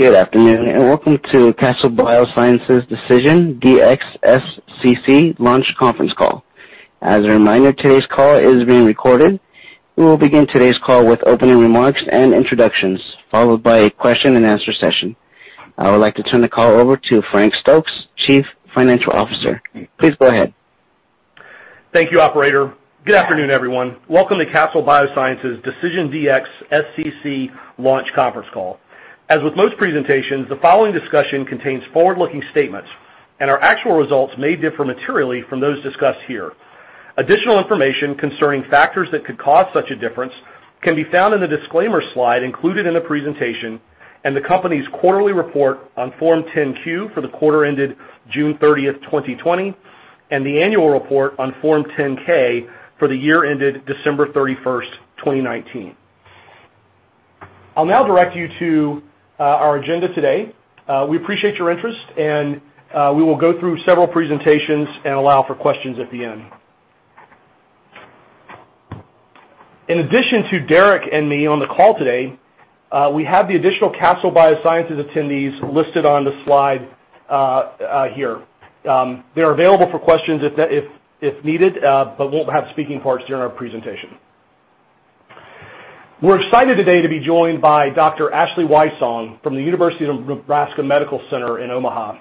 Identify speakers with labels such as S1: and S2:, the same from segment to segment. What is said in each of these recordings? S1: Good afternoon and welcome to Castle Biosciences' DecisionDx-SCC Launch Conference Call. As a reminder, today's call is being recorded. We will begin today's call with opening remarks and introductions, followed by a question-and-answer session. I would like to turn the call over to Frank Stokes, Chief Financial Officer. Please go ahead.
S2: Thank you, Operator. Good afternoon, everyone. Welcome to Castle Biosciences' DecisionDx-SCC Launch Conference Call. As with most presentations, the following discussion contains forward-looking statements, and our actual results may differ materially from those discussed here. Additional information concerning factors that could cause such a difference can be found in the disclaimer slide included in the presentation and the company's quarterly report on Form 10-Q for the quarter ended June 30, 2020, and the annual report on Form 10-K for the year ended December 31, 2019. I'll now direct you to our agenda today. We appreciate your interest, and we will go through several presentations and allow for questions at the end. In addition to Derek and me on the call today, we have the additional Castle Biosciences attendees listed on the slide here. They're available for questions if needed, but won't have speaking parts during our presentation. We're excited today to be joined by Dr. Ashley Wysong from the University of Nebraska Medical Center in Omaha.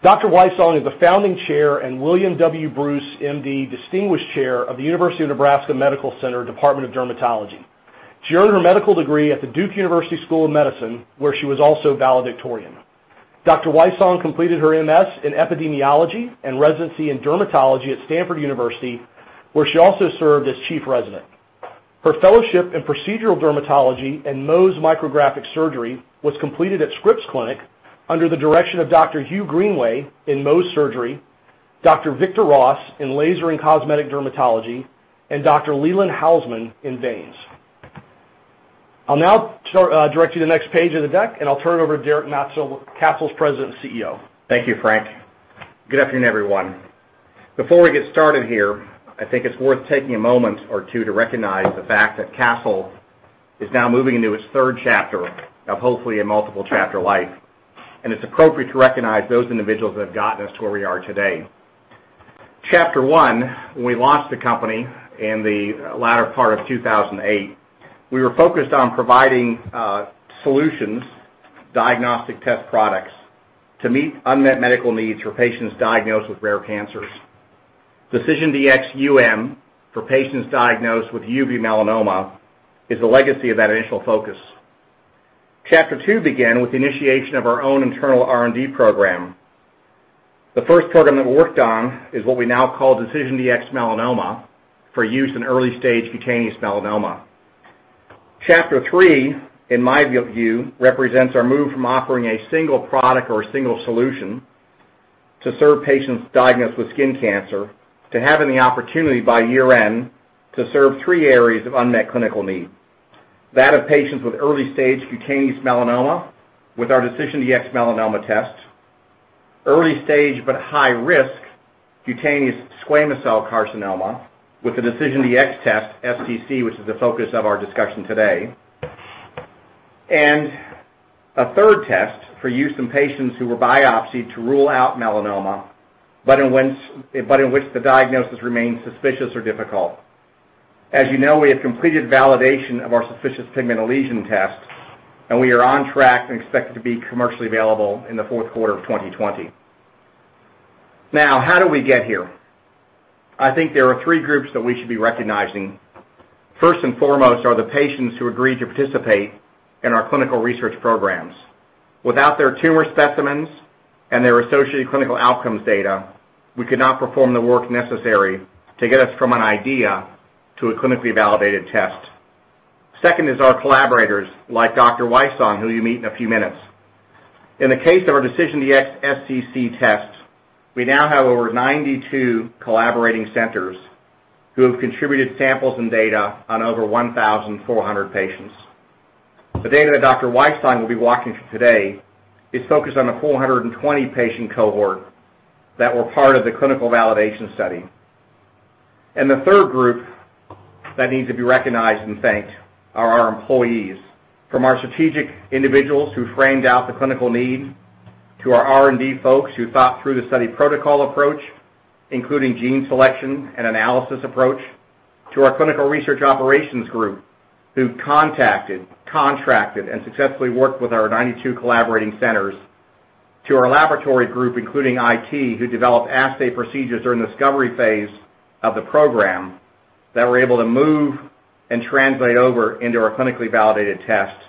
S2: Dr. Wysong is the founding chair and William W. Bruce, M.D., distinguished chair of the University of Nebraska Medical Center Department of Dermatology. She earned her medical degree at the Duke University School of Medicine, where she was also valedictorian. Dr. Wysong completed her MS in epidemiology and residency in dermatology at Stanford University, where she also served as chief resident. Her fellowship in procedural dermatology and Mohs micrographic surgery was completed at Scripps Clinic under the direction of Dr. Hugh Greenway in Mohs surgery, Dr. Victor Ross in laser and cosmetic dermatology, and Dr. Leland Houseman in veins. I'll now direct you to the next page of the deck, and I'll turn it over to Derek Maetzold, Castle's President and CEO.
S3: Thank you, Frank. Good afternoon, everyone. Before we get started here, I think it's worth taking a moment or two to recognize the fact that Castle is now moving into its third chapter of hopefully a multiple-chapter life, and it's appropriate to recognize those individuals that have gotten us to where we are today. Chapter One, when we launched the company in the latter part of 2008, we were focused on providing solutions, diagnostic test products to meet unmet medical needs for patients diagnosed with rare cancers. DecisionDx-UM for patients diagnosed with UV melanoma is the legacy of that initial focus. Chapter two began with the initiation of our own internal R&D program. The first program that we worked on is what we now call DecisionDx-Melanoma for use in early-stage cutaneous melanoma. Chapter Three, in my view, represents our move from offering a single product or a single solution to serve patients diagnosed with skin cancer to having the opportunity by year-end to serve three areas of unmet clinical need: that of patients with early-stage cutaneous melanoma with our DecisionDx-Melanoma test; early-stage but high-risk cutaneous squamous cell carcinoma with the DecisionDx test, SCC, which is the focus of our discussion today; and a third test for use in patients who were biopsied to rule out melanoma, but in which the diagnosis remained suspicious or difficult. As you know, we have completed validation of our Suspicious Pigmented Lesion Test, and we are on track and expected to be commercially available in the fourth quarter of 2020. Now, how did we get here? I think there are three groups that we should be recognizing. First and foremost are the patients who agreed to participate in our clinical research programs. Without their tumor specimens and their associated clinical outcomes data, we could not perform the work necessary to get us from an idea to a clinically validated test. Second is our collaborators, like Dr. Wysong, who you'll meet in a few minutes. In the case of our DecisionDx-SCC test, we now have over 92 collaborating centers who have contributed samples and data on over 1,400 patients. The data that Dr. Wysong will be walking through today is focused on the 420-patient cohort that were part of the clinical validation study. The third group that needs to be recognized and thanked are our employees, from our strategic individuals who framed out the clinical need to our R&D folks who thought through the study protocol approach, including gene selection and analysis approach, to our clinical research operations group who contacted, contracted, and successfully worked with our 92 collaborating centers, to our laboratory group, including IT, who developed assay procedures during the discovery phase of the program that were able to move and translate over into our clinically validated test.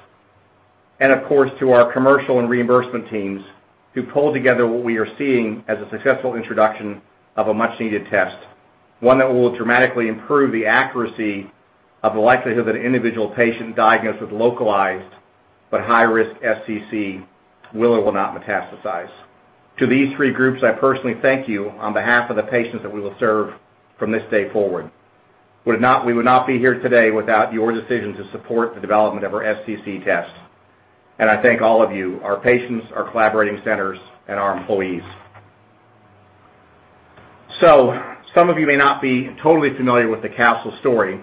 S3: Of course, to our commercial and reimbursement teams who pulled together what we are seeing as a successful introduction of a much-needed test, one that will dramatically improve the accuracy of the likelihood that an individual patient diagnosed with localized but high-risk SCC will or will not metastasize. To these three groups, I personally thank you on behalf of the patients that we will serve from this day forward. We would not be here today without your decision to support the development of our SCC test. I thank all of you, our patients, our collaborating centers, and our employees. Some of you may not be totally familiar with the Castle story.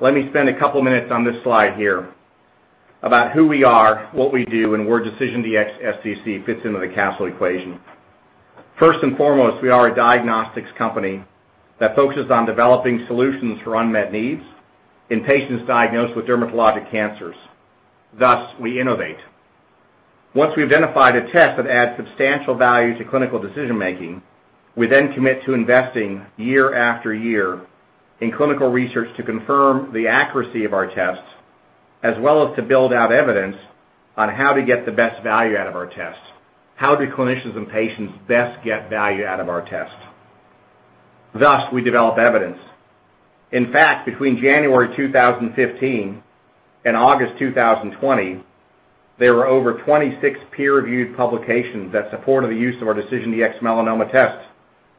S3: Let me spend a couple of minutes on this slide here about who we are, what we do, and where DecisionDx-SCC fits into the Castle equation. First and foremost, we are a diagnostics company that focuses on developing solutions for unmet needs in patients diagnosed with dermatologic cancers. Thus, we innovate. Once we identify a test that adds substantial value to clinical decision-making, we then commit to investing year after year in clinical research to confirm the accuracy of our tests, as well as to build out evidence on how to get the best value out of our tests. How do clinicians and patients best get value out of our tests? Thus, we develop evidence. In fact, between January 2015 and August 2020, there were over 26 peer-reviewed publications that supported the use of our DecisionDx-Melanoma test,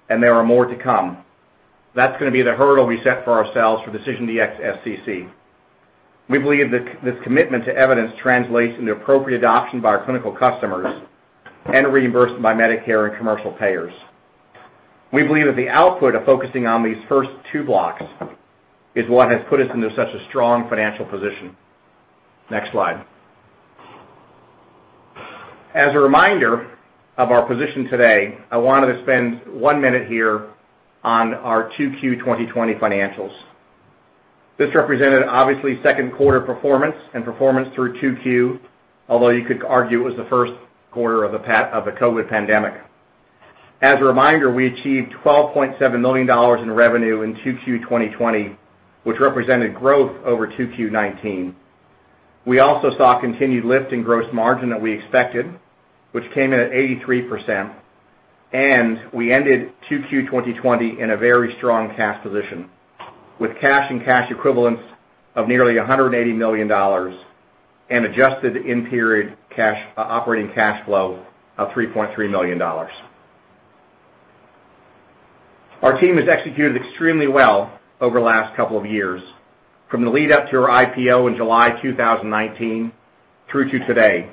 S3: and there are more to come. That's going to be the hurdle we set for ourselves for DecisionDx-SCC. We believe that this commitment to evidence translates into appropriate adoption by our clinical customers and reimbursement by Medicare and commercial payers. We believe that the output of focusing on these first two blocks is what has put us into such a strong financial position. Next slide. As a reminder of our position today, I wanted to spend one minute here on our 2Q 2020 financials. This represented, obviously, second quarter performance and performance through 2Q, although you could argue it was the first quarter of the COVID pandemic. As a reminder, we achieved $12.7 million in revenue in 2Q 2020, which represented growth over 2Q 2019. We also saw continued lift in gross margin that we expected, which came in at 83%, and we ended 2Q 2020 in a very strong cash position with cash and cash equivalents of nearly $180 million and adjusted in-period operating cash flow of $3.3 million. Our team has executed extremely well over the last couple of years, from the lead-up to our IPO in July 2019 through to today.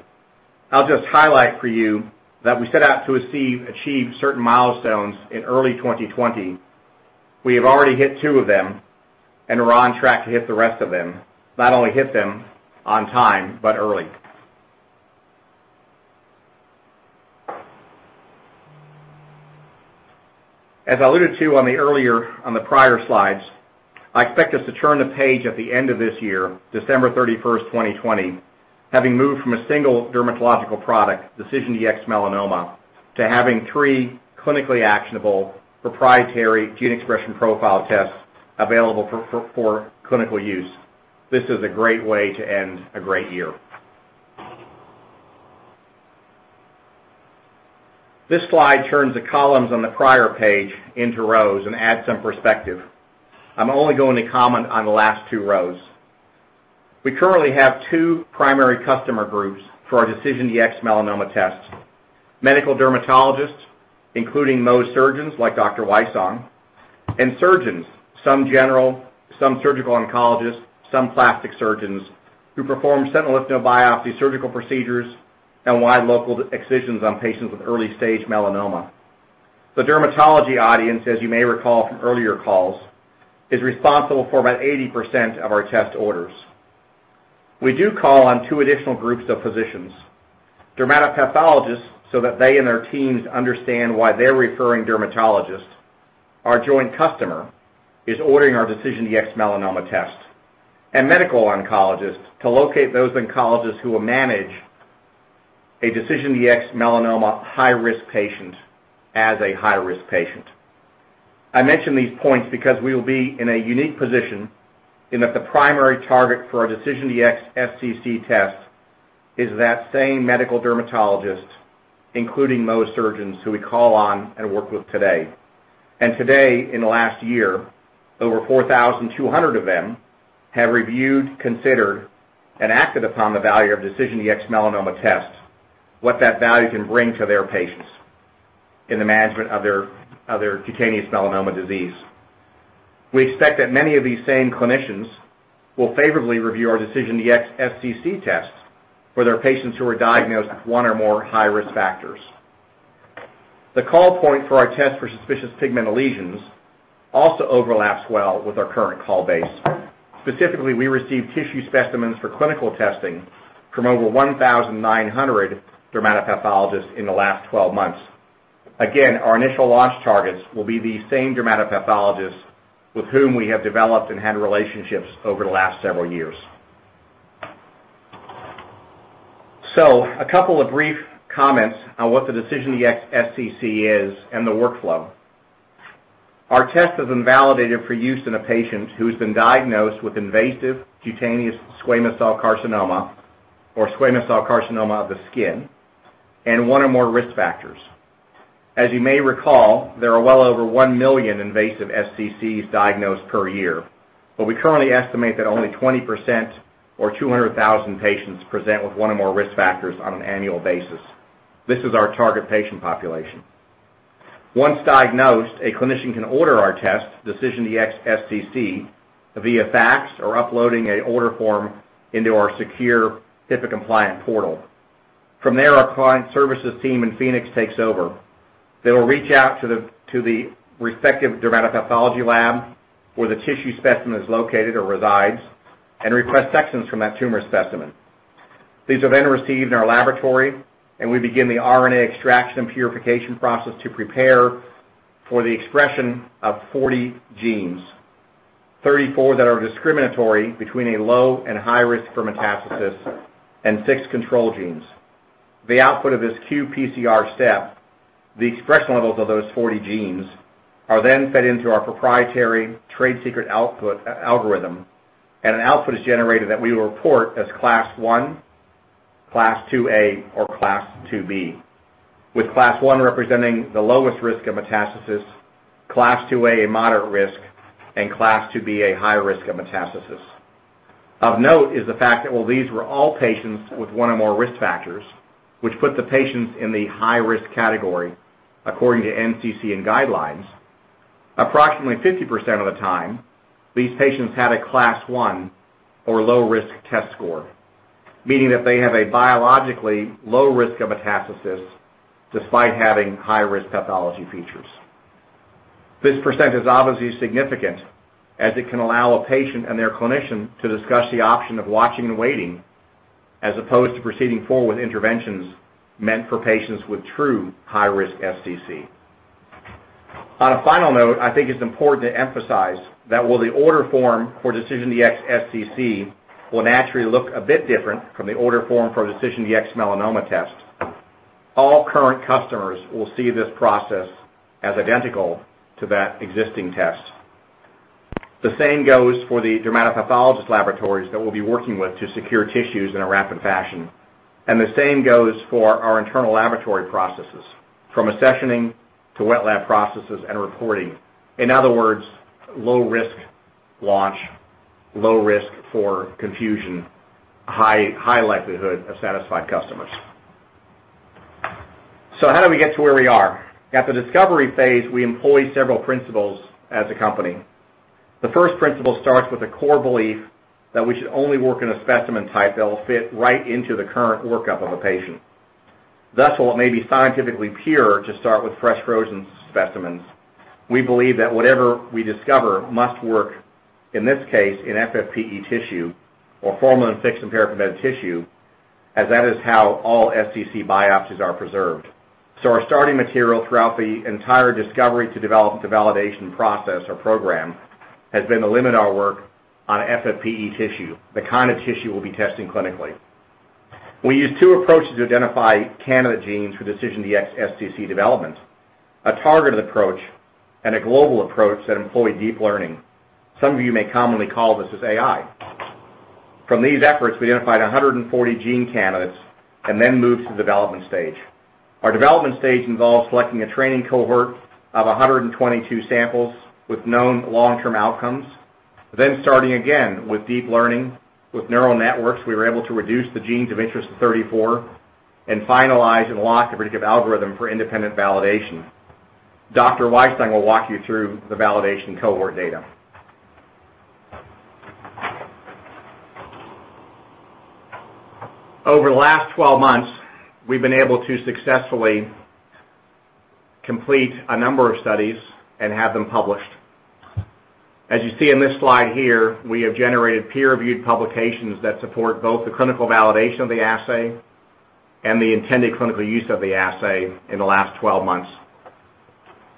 S3: I'll just highlight for you that we set out to achieve certain milestones in early 2020. We have already hit two of them and are on track to hit the rest of them, not only hit them on time, but early. As I alluded to on the prior slides, I expect us to turn the page at the end of this year, December 31, 2020, having moved from a single dermatological product, DecisionDx-Melanoma, to having three clinically actionable proprietary gene expression profile tests available for clinical use. This is a great way to end a great year. This slide turns the columns on the prior page into rows and adds some perspective. I'm only going to comment on the last two rows. We currently have two primary customer groups for our DecisionDx-Melanoma tests: medical dermatologists, including Mohs surgeons like Dr. Wysong, and surgeons, some general, some surgical oncologists, some plastic surgeons who perform sentinel lymph node biopsy surgical procedures and wide local excisions on patients with early-stage melanoma. The dermatology audience, as you may recall from earlier calls, is responsible for about 80% of our test orders. We do call on two additional groups of physicians: dermatopathologists so that they and their teams understand why their referring dermatologist, our joint customer, is ordering our DecisionDx-Melanoma test, and medical oncologists to locate those oncologists who will manage a DecisionDx-Melanoma high-risk patient as a high-risk patient. I mention these points because we will be in a unique position in that the primary target for our DecisionDx-SCC test is that same medical dermatologist, including Mohs surgeons who we call on and work with today. In the last year, over 4,200 of them have reviewed, considered, and acted upon the value of DecisionDx-Melanoma test, what that value can bring to their patients in the management of their cutaneous melanoma disease. We expect that many of these same clinicians will favorably review our DecisionDx-SCC test for their patients who are diagnosed with one or more high-risk factors. The call point for our test for suspicious pigmented lesions also overlaps well with our current call base. Specifically, we received tissue specimens for clinical testing from over 1,900 dermatopathologists in the last 12 months. Again, our initial launch targets will be these same dermatopathologists with whom we have developed and had relationships over the last several years. A couple of brief comments on what the DecisionDx-SCC is and the workflow. Our test has been validated for use in a patient who has been diagnosed with invasive cutaneous squamous cell carcinoma or squamous cell carcinoma of the skin and one or more risk factors. As you may recall, there are well over 1 million invasive SCCs diagnosed per year, but we currently estimate that only 20% or 200,000 patients present with one or more risk factors on an annual basis. This is our target patient population. Once diagnosed, a clinician can order our test, DecisionDx-SCC, via fax or uploading an order form into our secure HIPAA-compliant portal. From there, our client services team in Phoenix takes over. They will reach out to the respective dermatopathology lab where the tissue specimen is located or resides and request sections from that tumor specimen. These are then received in our laboratory, and we begin the RNA extraction and purification process to prepare for the expression of 40 genes, 34 that are discriminatory between a low and high risk for metastasis and fixed control genes. The output of this qPCR step, the expression levels of those 40 genes, are then fed into our proprietary trade secret algorithm, and an output is generated that we will report as Class 1, Class 2A, or Class 2B, with Class 1 representing the lowest risk of metastasis, Class 2A a moderate risk, and Class 2B a high risk of metastasis. Of note is the fact that while these were all patients with one or more risk factors, which put the patients in the high-risk category according to NCCN guidelines, approximately 50% of the time, these patients had a Class 1 or low-risk test score, meaning that they have a biologically low risk of metastasis despite having high-risk pathology features. This percent is obviously significant as it can allow a patient and their clinician to discuss the option of watching and waiting as opposed to proceeding forward with interventions meant for patients with true high-risk SCC. On a final note, I think it's important to emphasize that while the order form for DecisionDx-SCC will naturally look a bit different from the order form for DecisionDx-Melanoma test, all current customers will see this process as identical to that existing test. The same goes for the dermatopathologist laboratories that we'll be working with to secure tissues in a rapid fashion. The same goes for our internal laboratory processes, from accessioning to wet lab processes and reporting. In other words, low-risk launch, low risk for confusion, high likelihood of satisfied customers. How do we get to where we are? At the discovery phase, we employ several principles as a company. The first principle starts with a core belief that we should only work in a specimen type that will fit right into the current workup of a patient. Thus, while it may be scientifically pure to start with fresh frozen specimens, we believe that whatever we discover must work, in this case, in FFPE tissue or formalin-fixed and parapigmented tissue, as that is how all SCC biopsies are preserved. Our starting material throughout the entire discovery to develop the validation process or program has been to limit our work on FFPE tissue, the kind of tissue we'll be testing clinically. We use two approaches to identify candidate genes for DecisionDx-SCC development: a targeted approach and a global approach that employ deep learning. Some of you may commonly call this AI. From these efforts, we identified 140 gene candidates and then moved to the development stage. Our development stage involves selecting a training cohort of 122 samples with known long-term outcomes, then starting again with deep learning. With neural networks, we were able to reduce the genes of interest to 34 and finalize and lock a particular algorithm for independent validation. Dr. Wysong will walk you through the validation cohort data. Over the last 12 months, we've been able to successfully complete a number of studies and have them published. As you see in this slide here, we have generated peer-reviewed publications that support both the clinical validation of the assay and the intended clinical use of the assay in the last 12 months.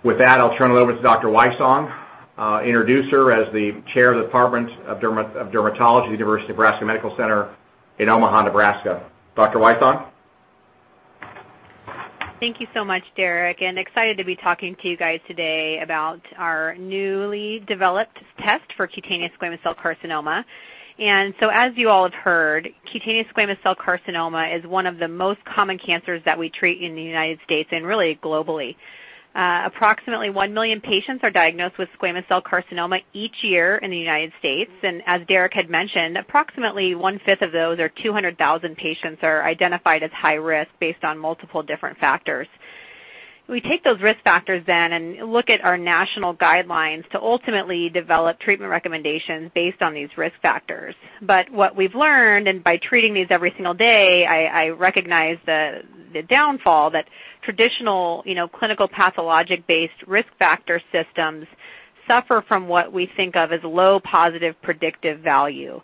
S3: With that, I'll turn it over to Dr. Wysong, introduce her as the Chair of the Department of Dermatology at the University of Nebraska Medical Center in Omaha, Nebraska. Dr. Wysong?
S4: Thank you so much, Derek, and excited to be talking to you guys today about our newly developed test for cutaneous squamous cell carcinoma. As you all have heard, cutaneous squamous cell carcinoma is one of the most common cancers that we treat in the United States and really globally. Approximately 1 million patients are diagnosed with squamous cell carcinoma each year in the United States. As Derek had mentioned, approximately one-fifth of those or 200,000 patients are identified as high risk based on multiple different factors. We take those risk factors then and look at our national guidelines to ultimately develop treatment recommendations based on these risk factors. What we've learned, and by treating these every single day, I recognize the downfall that traditional clinical pathologic-based risk factor systems suffer from what we think of as low positive predictive value,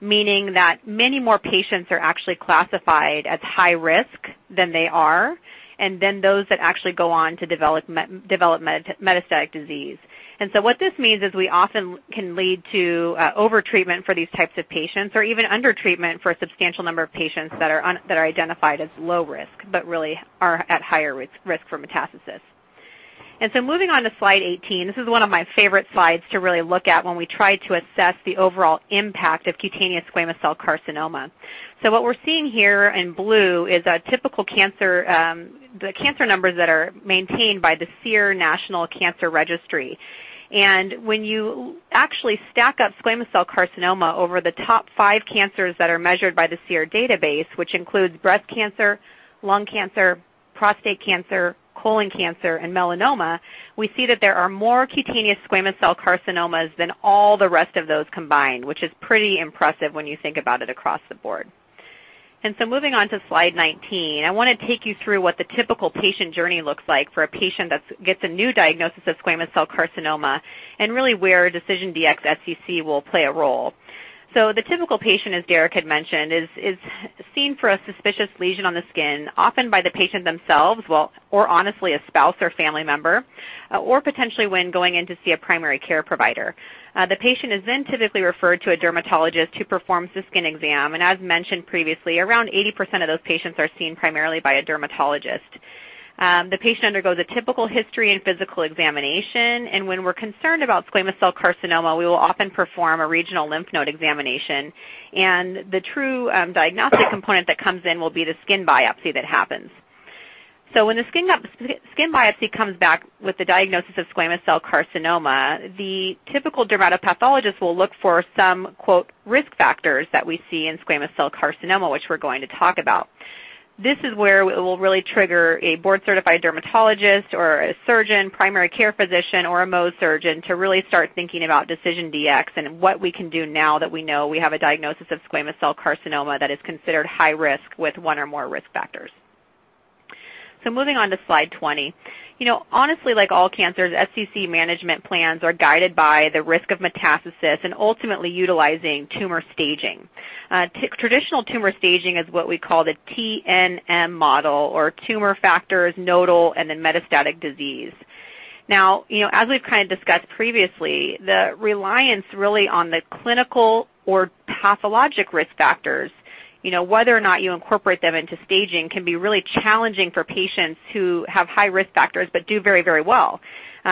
S4: meaning that many more patients are actually classified as high risk than they are, and then those that actually go on to develop metastatic disease. What this means is we often can lead to overtreatment for these types of patients or even undertreatment for a substantial number of patients that are identified as low risk but really are at higher risk for metastasis. Moving on to slide 18, this is one of my favorite slides to really look at when we try to assess the overall impact of cutaneous squamous cell carcinoma. What we're seeing here in blue is a typical cancer, the cancer numbers that are maintained by the SEER National Cancer Registry. When you actually stack up squamous cell carcinoma over the top five cancers that are measured by the SEER database, which includes breast cancer, lung cancer, prostate cancer, colon cancer, and melanoma, we see that there are more cutaneous squamous cell carcinomas than all the rest of those combined, which is pretty impressive when you think about it across the board. Moving on to slide 19, I want to take you through what the typical patient journey looks like for a patient that gets a new diagnosis of squamous cell carcinoma and really where DecisionDx-SCC will play a role. The typical patient, as Derek had mentioned, is seen for a suspicious lesion on the skin, often by the patient themselves or honestly a spouse or family member or potentially when going in to see a primary care provider. The patient is then typically referred to a dermatologist who performs the skin exam. As mentioned previously, around 80% of those patients are seen primarily by a dermatologist. The patient undergoes a typical history and physical examination. When we're concerned about squamous cell carcinoma, we will often perform a regional lymph node examination. The true diagnostic component that comes in will be the skin biopsy that happens. When the skin biopsy comes back with the diagnosis of squamous cell carcinoma, the typical dermatopathologist will look for some "risk factors" that we see in squamous cell carcinoma, which we're going to talk about. This is where it will really trigger a board-certified dermatologist or a surgeon, primary care physician, or a Mohs surgeon to really start thinking about DecisionDx and what we can do now that we know we have a diagnosis of squamous cell carcinoma that is considered high risk with one or more risk factors. Moving on to slide 20. Honestly, like all cancers, SCC management plans are guided by the risk of metastasis and ultimately utilizing tumor staging. Traditional tumor staging is what we call the TNM model or tumor factors, nodal, and then metastatic disease. Now, as we've kind of discussed previously, the reliance really on the clinical or pathologic risk factors, whether or not you incorporate them into staging, can be really challenging for patients who have high risk factors but do very, very well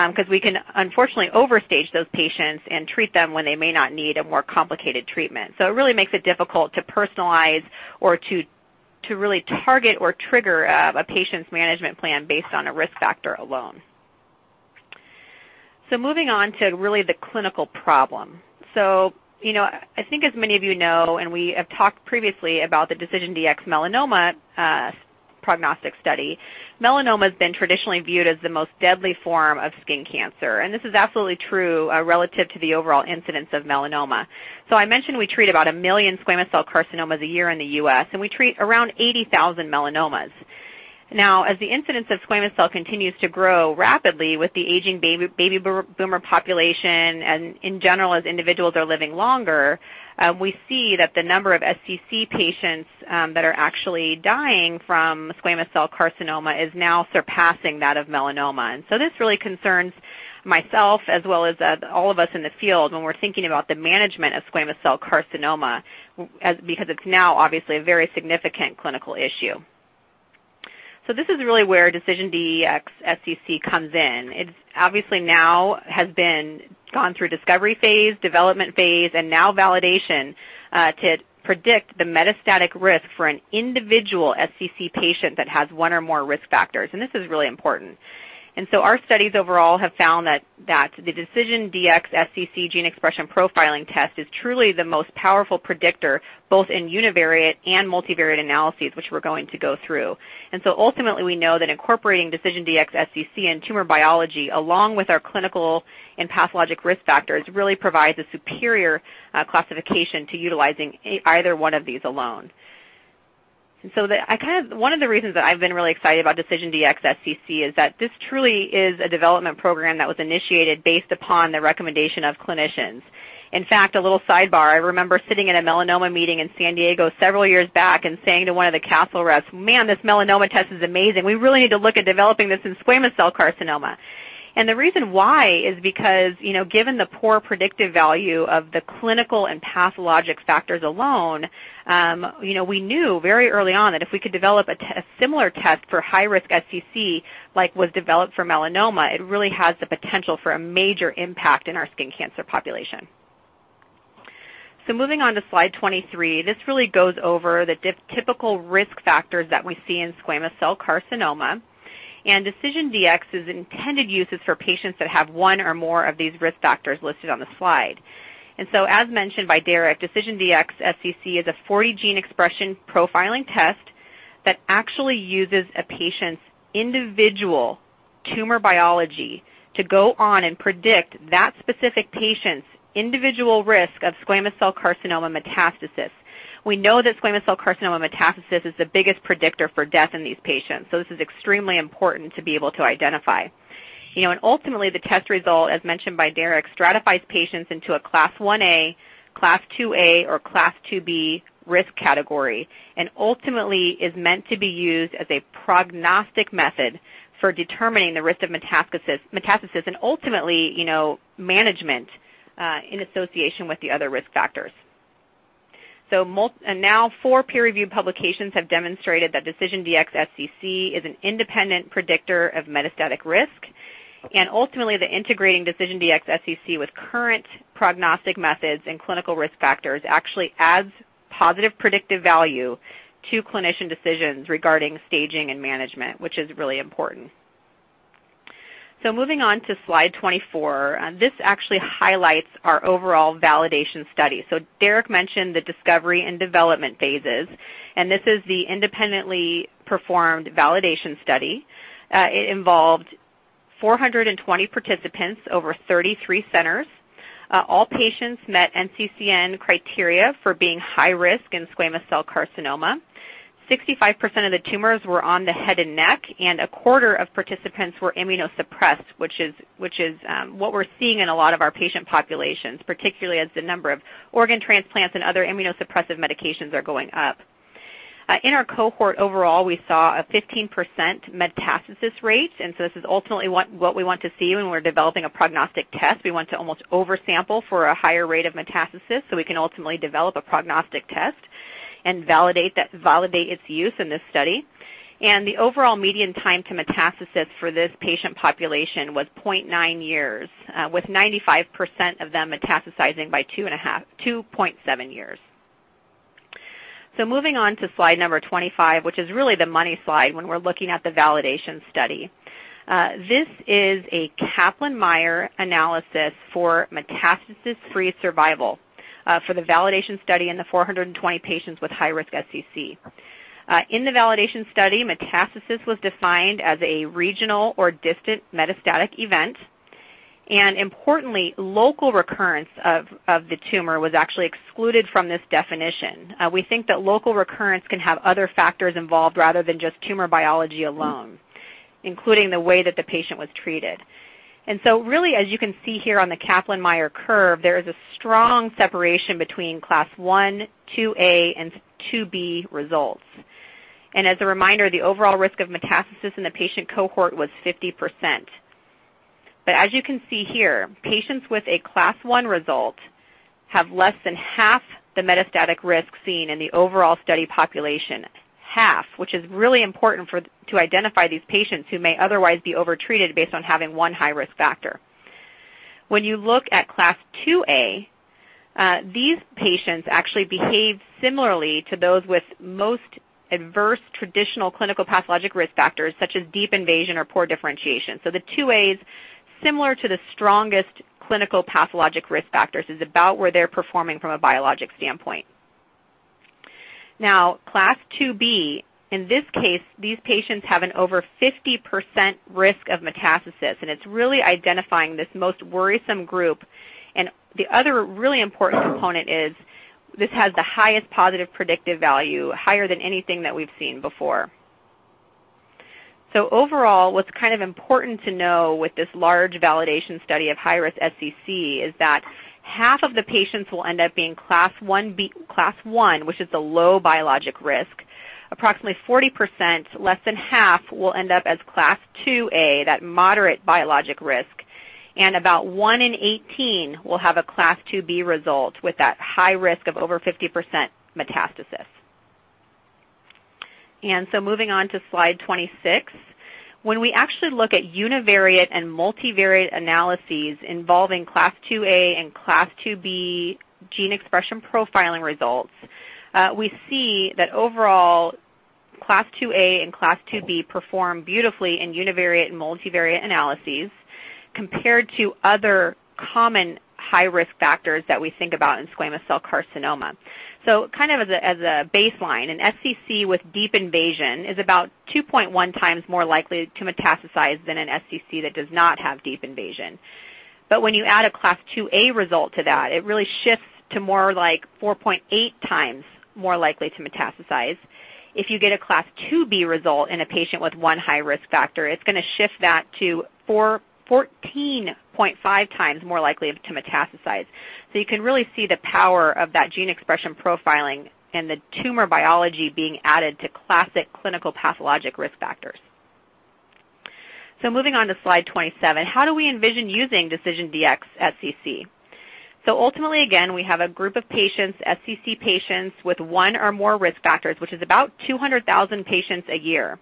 S4: because we can unfortunately overstage those patients and treat them when they may not need a more complicated treatment. It really makes it difficult to personalize or to really target or trigger a patient's management plan based on a risk factor alone. Moving on to really the clinical problem. I think as many of you know, and we have talked previously about the DecisionDx-Melanoma prognostic study, melanoma has been traditionally viewed as the most deadly form of skin cancer. This is absolutely true relative to the overall incidence of melanoma. I mentioned we treat about a million squamous cell carcinomas a year in the U.S., and we treat around 80,000 melanomas. Now, as the incidence of squamous cell continues to grow rapidly with the aging baby boomer population and in general, as individuals are living longer, we see that the number of SCC patients that are actually dying from squamous cell carcinoma is now surpassing that of melanoma. This really concerns myself as well as all of us in the field when we're thinking about the management of squamous cell carcinoma because it's now obviously a very significant clinical issue. This is really where DecisionDx-SCC comes in. It obviously now has gone through discovery phase, development phase, and now validation to predict the metastatic risk for an individual SCC patient that has one or more risk factors. This is really important. Our studies overall have found that the DecisionDx-SCC gene expression profiling test is truly the most powerful predictor both in univariate and multivariate analyses, which we are going to go through. Ultimately, we know that incorporating DecisionDx-SCC and tumor biology along with our clinical and pathologic risk factors really provides a superior classification to utilizing either one of these alone. One of the reasons that I have been really excited about DecisionDx-SCC is that this truly is a development program that was initiated based upon the recommendation of clinicians. In fact, a little sidebar, I remember sitting in a melanoma meeting in San Diego several years back and saying to one of the Castle reps, "Man, this melanoma test is amazing. We really need to look at developing this in squamous cell carcinoma." The reason why is because given the poor predictive value of the clinical and pathologic factors alone, we knew very early on that if we could develop a similar test for high-risk SCC like was developed for melanoma, it really has the potential for a major impact in our skin cancer population. Moving on to slide 23, this really goes over the typical risk factors that we see in squamous cell carcinoma. DecisionDx's intended use is for patients that have one or more of these risk factors listed on the slide. As mentioned by Derek, DecisionDx-SCC is a 40-gene expression profiling test that actually uses a patient's individual tumor biology to go on and predict that specific patient's individual risk of squamous cell carcinoma metastasis. We know that squamous cell carcinoma metastasis is the biggest predictor for death in these patients. This is extremely important to be able to identify. Ultimately, the test result, as mentioned by Derek, stratifies patients into a Class 1A, Class 2A, or Class 2B risk category and ultimately is meant to be used as a prognostic method for determining the risk of metastasis and ultimately management in association with the other risk factors. Now, four peer-reviewed publications have demonstrated that DecisionDx-SCC is an independent predictor of metastatic risk. Ultimately, integrating DecisionDx-SCC with current prognostic methods and clinical risk factors actually adds positive predictive value to clinician decisions regarding staging and management, which is really important. Moving on to slide 24, this actually highlights our overall validation study. Derek mentioned the discovery and development phases. This is the independently performed validation study. It involved 420 participants over 33 centers. All patients met NCCN criteria for being high risk in squamous cell carcinoma. 65% of the tumors were on the head and neck, and a quarter of participants were immunosuppressed, which is what we're seeing in a lot of our patient populations, particularly as the number of organ transplants and other immunosuppressive medications are going up. In our cohort overall, we saw a 15% metastasis rate. This is ultimately what we want to see when we're developing a prognostic test. We want to almost oversample for a higher rate of metastasis so we can ultimately develop a prognostic test and validate its use in this study. The overall median time to metastasis for this patient population was 0.9 years, with 95% of them metastasizing by 2.7 years. Moving on to slide number 25, which is really the money slide when we're looking at the validation study. This is a Kaplan-Meier analysis for metastasis-free survival for the validation study in the 420 patients with high-risk SCC. In the validation study, metastasis was defined as a regional or distant metastatic event. Importantly, local recurrence of the tumor was actually excluded from this definition. We think that local recurrence can have other factors involved rather than just tumor biology alone, including the way that the patient was treated. Really, as you can see here on the Kaplan-Meier curve, there is a strong separation between Class 1, 2A, and 2B results. As a reminder, the overall risk of metastasis in the patient cohort was 50%. As you can see here, patients with a Class 1 result have less than half the metastatic risk seen in the overall study population, half, which is really important to identify these patients who may otherwise be overtreated based on having one high-risk factor. When you look at Class 2A, these patients actually behave similarly to those with most adverse traditional clinical pathologic risk factors, such as deep invasion or poor differentiation. The 2A is similar to the strongest clinical pathologic risk factors. It is about where they are performing from a biologic standpoint. Now, Class 2B, in this case, these patients have an over 50% risk of metastasis. It is really identifying this most worrisome group. The other really important component is this has the highest positive predictive value, higher than anything that we have seen before. Overall, what's kind of important to know with this large validation study of high-risk SCC is that half of the patients will end up being Class 1, which is the low biologic risk. Approximately 40%, less than half, will end up as Class 2A, that moderate biologic risk. About 1 in 18 will have a Class 2B result with that high risk of over 50% metastasis. Moving on to slide 26, when we actually look at univariate and multivariate analyses involving Class 2A and Class 2B gene expression profiling results, we see that overall, Class 2A and Class 2B perform beautifully in univariate and multivariate analyses compared to other common high-risk factors that we think about in squamous cell carcinoma. Kind of as a baseline, an SCC with deep invasion is about 2.1 times more likely to metastasize than an SCC that does not have deep invasion. When you add a Class 2A result to that, it really shifts to more like 4.8 times more likely to metastasize. If you get a Class 2B result in a patient with one high-risk factor, it's going to shift that to 14.5 times more likely to metastasize. You can really see the power of that gene expression profiling and the tumor biology being added to classic clinical pathologic risk factors. Moving on to slide 27, how do we envision using DecisionDx-SCC? Ultimately, again, we have a group of patients, SCC patients with one or more risk factors, which is about 200,000 patients a year.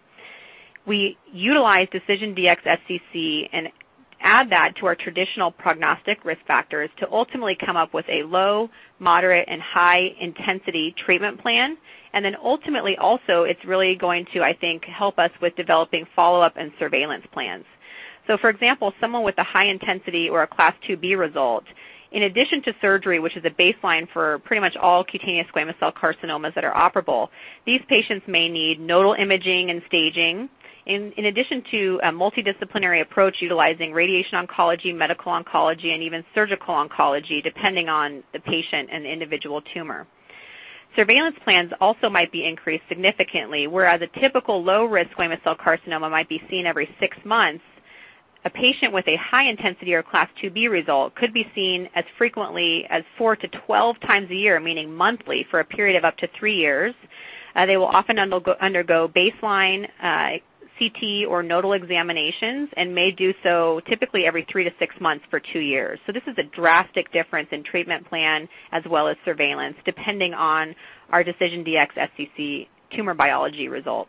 S4: We utilize DecisionDx-SCC and add that to our traditional prognostic risk factors to ultimately come up with a low, moderate, and high-intensity treatment plan. It is really going to, I think, help us with developing follow-up and surveillance plans. For example, someone with a high-intensity or a Class 2B result, in addition to surgery, which is a baseline for pretty much all cutaneous squamous cell carcinomas that are operable, these patients may need nodal imaging and staging in addition to a multidisciplinary approach utilizing radiation oncology, medical oncology, and even surgical oncology, depending on the patient and the individual tumor. Surveillance plans also might be increased significantly, whereas a typical low-risk squamous cell carcinoma might be seen every six months, a patient with a high-intensity or Class 2B result could be seen as frequently as 4-12 times a year, meaning monthly, for a period of up to three years. They will often undergo baseline CT or nodal examinations and may do so typically every three to six months for two years. This is a drastic difference in treatment plan as well as surveillance, depending on our DecisionDx-SCC tumor biology result.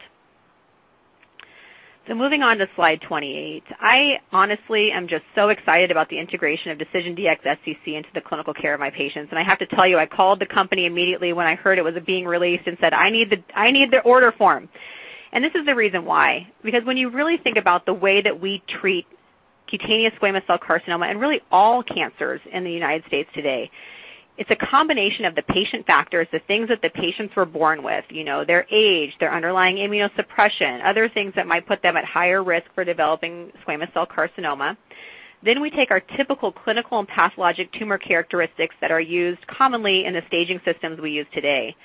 S4: Moving on to slide 28, I honestly am just so excited about the integration of DecisionDx-SCC into the clinical care of my patients. I have to tell you, I called the company immediately when I heard it was being released and said, "I need the order form." This is the reason why, because when you really think about the way that we treat cutaneous squamous cell carcinoma and really all cancers in the United States today, it's a combination of the patient factors, the things that the patients were born with, their age, their underlying immunosuppression, other things that might put them at higher risk for developing squamous cell carcinoma. We take our typical clinical and pathologic tumor characteristics that are used commonly in the staging systems we use today.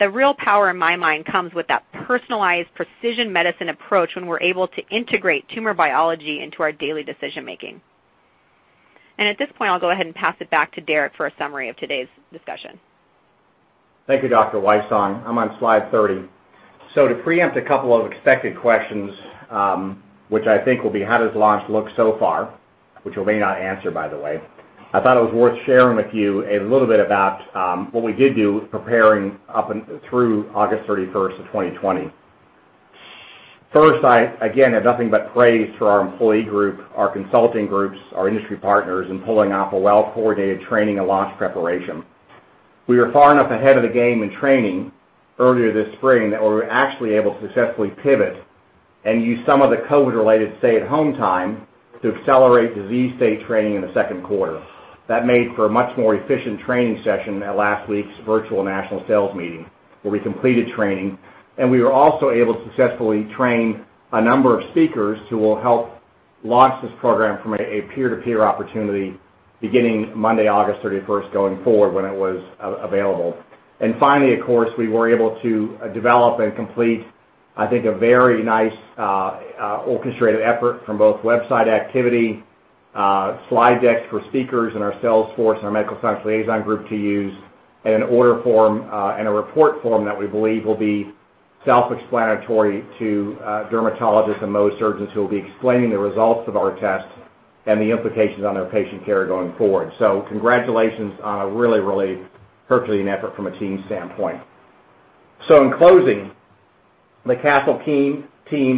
S4: The real power in my mind comes with that personalized precision medicine approach when we're able to integrate tumor biology into our daily decision-making. At this point, I'll go ahead and pass it back to Derek for a summary of today's discussion.
S3: Thank you, Dr. Wysong. I'm on slide 30. To preempt a couple of expected questions, which I think will be, "How does launch look so far?" which you may not answer, by the way, I thought it was worth sharing with you a little bit about what we did do preparing up through August 31st of 2020. First, I again have nothing but praise for our employee group, our consulting groups, our industry partners, and pulling off a well-coordinated training and launch preparation. We were far enough ahead of the game in training earlier this spring that we were actually able to successfully pivot and use some of the COVID-related stay-at-home time to accelerate disease state training in the second quarter. That made for a much more efficient training session at last week's virtual national sales meeting where we completed training. We were also able to successfully train a number of speakers who will help launch this program from a peer-to-peer opportunity beginning Monday, August 31st, going forward when it was available. Finally, of course, we were able to develop and complete, I think, a very nice orchestrated effort from both website activity, slide decks for speakers and our sales force and our medical science liaison group to use, and an order form and a report form that we believe will be self-explanatory to dermatologists and Mohs surgeons who will be explaining the results of our tests and the implications on their patient care going forward. Congratulations on a really, really perfectly ineffort from a team standpoint. In closing, the Castle team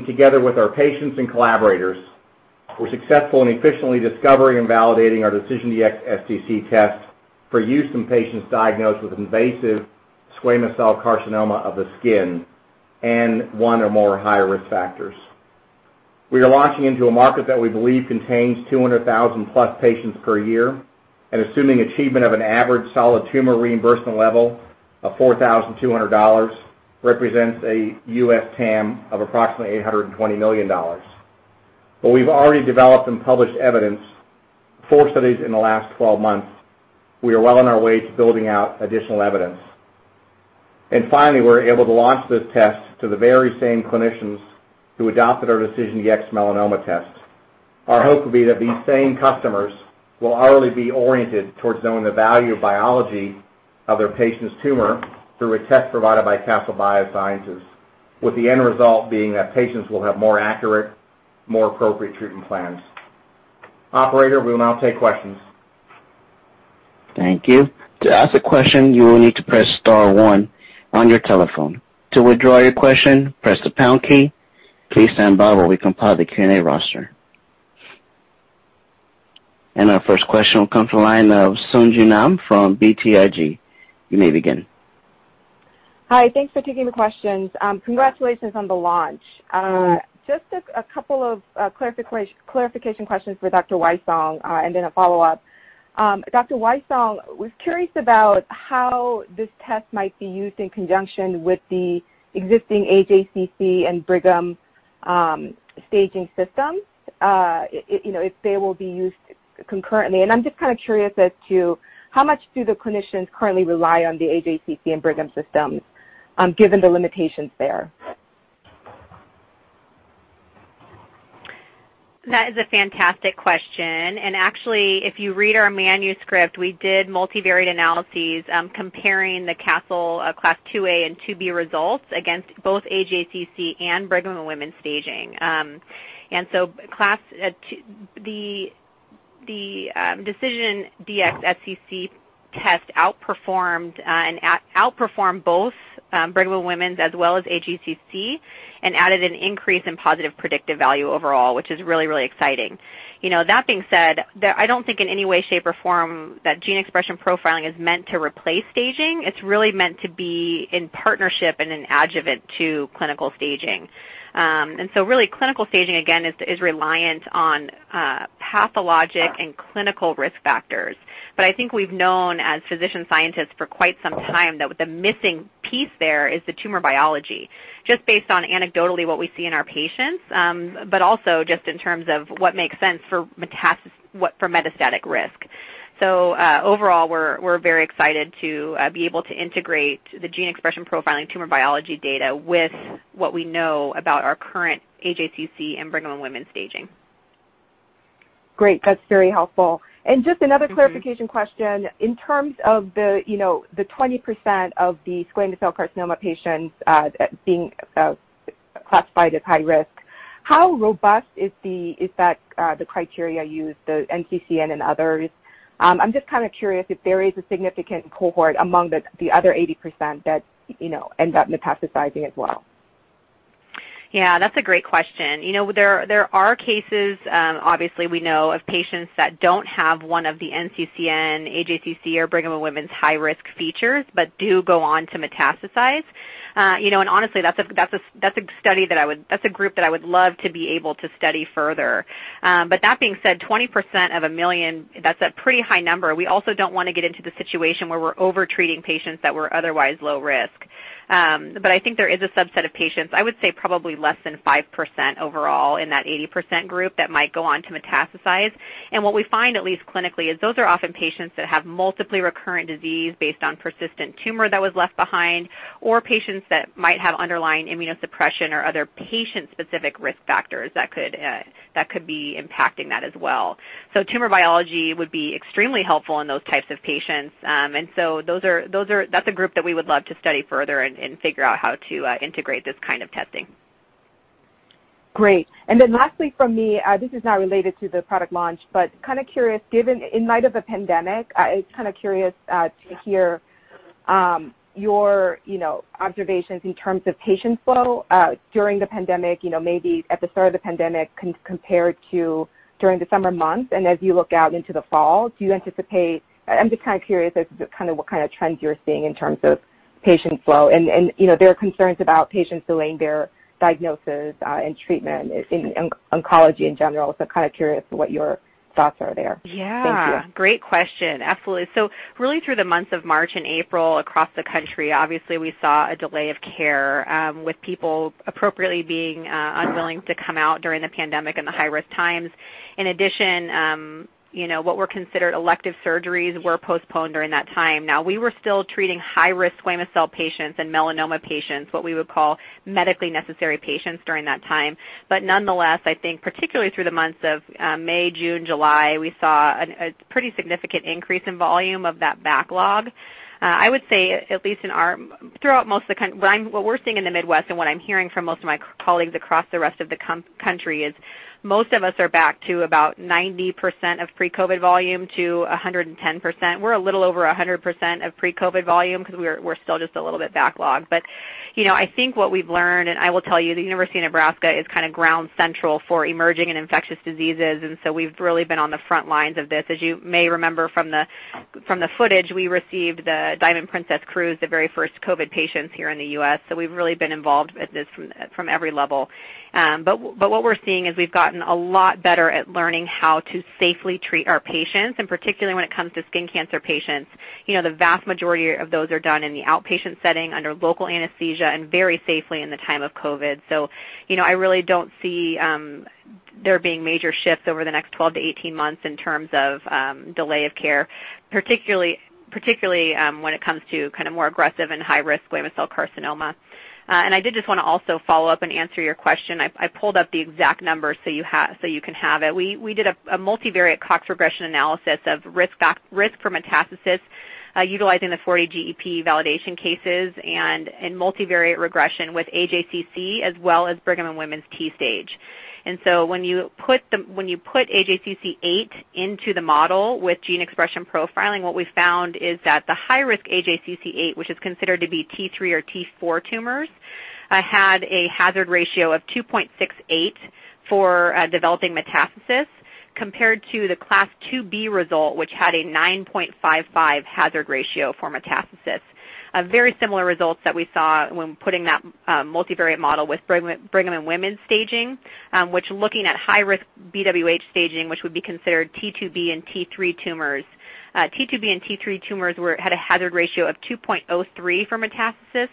S3: together with our patients and collaborators were successful in efficiently discovering and validating our DecisionDx-SCC test for use in patients diagnosed with invasive squamous cell carcinoma of the skin and one or more high-risk factors. We are launching into a market that we believe contains 200,000+ patients per year. Assuming achievement of an average solid tumor reimbursement level of $4,200 represents a U.S. TAM of approximately $820 million. We have already developed and published evidence for studies in the last 12 months. We are well on our way to building out additional evidence. Finally, we are able to launch this test to the very same clinicians who adopted our DecisionDx-Melanoma test. Our hope will be that these same customers will already be oriented towards knowing the value of biology of their patient's tumor through a test provided by Castle Biosciences, with the end result being that patients will have more accurate, more appropriate treatment plans. Operator, we'll now take questions.
S1: Thank you. To ask a question, you will need to press star one on your telephone. To withdraw your question, press the pound key. Please stand by while we compile the Q&A roster. Our first question will come from the line of Sung Ji Nam from BTIG. You may begin.
S5: Hi. Thanks for taking the questions. Congratulations on the launch. Just a couple of clarification questions for Dr. Wysong and then a follow-up. Dr. Wysong, I was curious about how this test might be used in conjunction with the existing AJCC and Brigham staging systems, if they will be used concurrently. I'm just kind of curious as to how much do the clinicians currently rely on the AJCC and Brigham systems, given the limitations there?
S4: That is a fantastic question. Actually, if you read our manuscript, we did multivariate analyses comparing the Castle Class 2A and 2B results against both AJCC and Brigham and Women's staging. The DecisionDx-SCC test outperformed both Brigham and Women's as well as AJCC and added an increase in positive predictive value overall, which is really, really exciting. That being said, I don't think in any way, shape, or form that gene expression profiling is meant to replace staging. It's really meant to be in partnership and an adjuvant to clinical staging. Really, clinical staging, again, is reliant on pathologic and clinical risk factors. I think we've known as physician scientists for quite some time that the missing piece there is the tumor biology, just based on anecdotally what we see in our patients, but also just in terms of what makes sense for metastatic risk. Overall, we're very excited to be able to integrate the gene expression profiling tumor biology data with what we know about our current AJCC and Brigham and Women's staging.
S5: Great. That's very helpful. Just another clarification question. In terms of the 20% of the squamous cell carcinoma patients being classified as high-risk, how robust is that, the criteria used, the NCCN and others? I'm just kind of curious if there is a significant cohort among the other 80% that end up metastasizing as well.
S4: Yeah. That's a great question. There are cases, obviously, we know of patients that don't have one of the NCCN, AJCC, or Brigham and Women's high-risk features but do go on to metastasize. Honestly, that's a study that I would, that's a group that I would love to be able to study further. That being said, 20% of a million, that's a pretty high number. We also don't want to get into the situation where we're overtreating patients that were otherwise low-risk. I think there is a subset of patients, I would say probably less than 5% overall in that 80% group that might go on to metastasize. What we find, at least clinically, is those are often patients that have multiply recurrent disease based on persistent tumor that was left behind or patients that might have underlying immunosuppression or other patient-specific risk factors that could be impacting that as well. Tumor biology would be extremely helpful in those types of patients. That is a group that we would love to study further and figure out how to integrate this kind of testing.
S5: Great. Lastly from me, this is not related to the product launch, but kind of curious, in light of the pandemic, I was kind of curious to hear your observations in terms of patient flow during the pandemic, maybe at the start of the pandemic compared to during the summer months. As you look out into the fall, do you anticipate, I'm just kind of curious as to kind of what kind of trends you're seeing in terms of patient flow. There are concerns about patients delaying their diagnosis and treatment in oncology in general. Kind of curious what your thoughts are there.
S4: Yeah. Great question. Absolutely. Really through the months of March and April across the country, obviously, we saw a delay of care with people appropriately being unwilling to come out during the pandemic and the high-risk times. In addition, what were considered elective surgeries were postponed during that time. We were still treating high-risk squamous cell patients and melanoma patients, what we would call medically necessary patients during that time. Nonetheless, I think particularly through the months of May, June, July, we saw a pretty significant increase in volume of that backlog. I would say, at least throughout most of what we're seeing in the Midwest and what I'm hearing from most of my colleagues across the rest of the country is most of us are back to about 90% of pre-COVID volume to 110%. We're a little over 100% of pre-COVID volume because we're still just a little bit backlogged. I think what we've learned, and I will tell you, the University of Nebraska is kind of ground central for emerging and infectious diseases. We have really been on the front lines of this. As you may remember from the footage, we received the Diamond Princess cruise, the very first COVID patients here in the U.S. We have really been involved with this from every level. What we're seeing is we've gotten a lot better at learning how to safely treat our patients, and particularly when it comes to skin cancer patients. The vast majority of those are done in the outpatient setting under local anesthesia and very safely in the time of COVID. I really don't see there being major shifts over the next 12 to 18 months in terms of delay of care, particularly when it comes to kind of more aggressive and high-risk squamous cell carcinoma. I did just want to also follow up and answer your question. I pulled up the exact numbers so you can have it. We did a multivariate Cox regression analysis of risk for metastasis utilizing the 40 GEP validation cases and multivariate regression with AJCC as well as Brigham and Women's T stage. When you put AJCC8 into the model with gene expression profiling, what we found is that the high-risk AJCC8, which is considered to be T3 or T4 tumors, had a hazard ratio of 2.68 for developing metastasis compared to the Class 2B result, which had a 9.55 hazard ratio for metastasis. Very similar results that we saw when putting that multivariate model with Brigham and Women's staging, which looking at high-risk BWH staging, which would be considered T2b and T3 tumors, T2b and T3 tumors had a hazard ratio of 2.03 for metastasis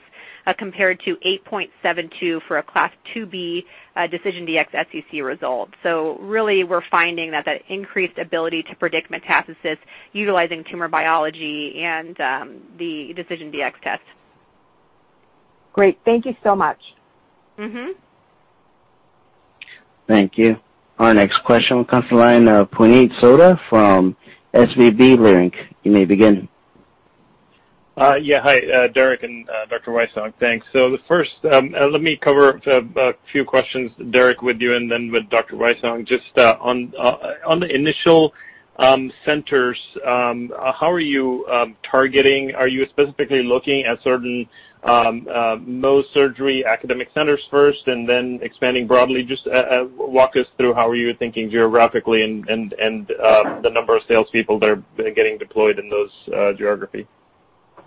S4: compared to 8.72 for a Class 2B DecisionDx-SCC result. Really, we're finding that that increased ability to predict metastasis utilizing tumor biology and the DecisionDx test.
S5: Great. Thank you so much.
S4: Mm-hmm.
S1: Thank you. Our next question will come from the line of Puneet Souda from SVB Leerink. You may begin.
S6: Yeah. Hi, Derek and Dr. Wysong. Thanks. First, let me cover a few questions, Derek, with you and then with Dr. Wysong. Just on the initial centers, how are you targeting? Are you specifically looking at certain Mohs surgery academic centers first and then expanding broadly? Just walk us through how are you thinking geographically and the number of salespeople that are getting deployed in those geographies?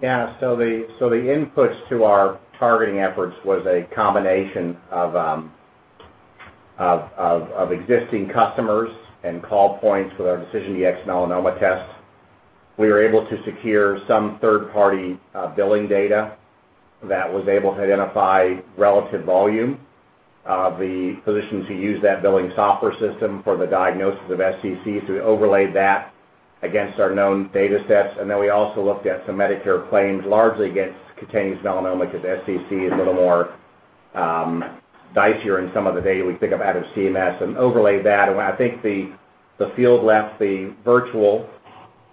S3: Yeah. The input to our targeting efforts was a combination of existing customers and call points with our DecisionDx-Melanoma test. We were able to secure some third-party billing data that was able to identify relative volume. The physicians who use that billing software system for the diagnosis of SCC, we overlaid that against our known data sets. We also looked at some Medicare claims, largely against cutaneous melanoma because SCC is a little more dicier in some of the data we pick up out of CMS and overlaid that. I think the field left the virtual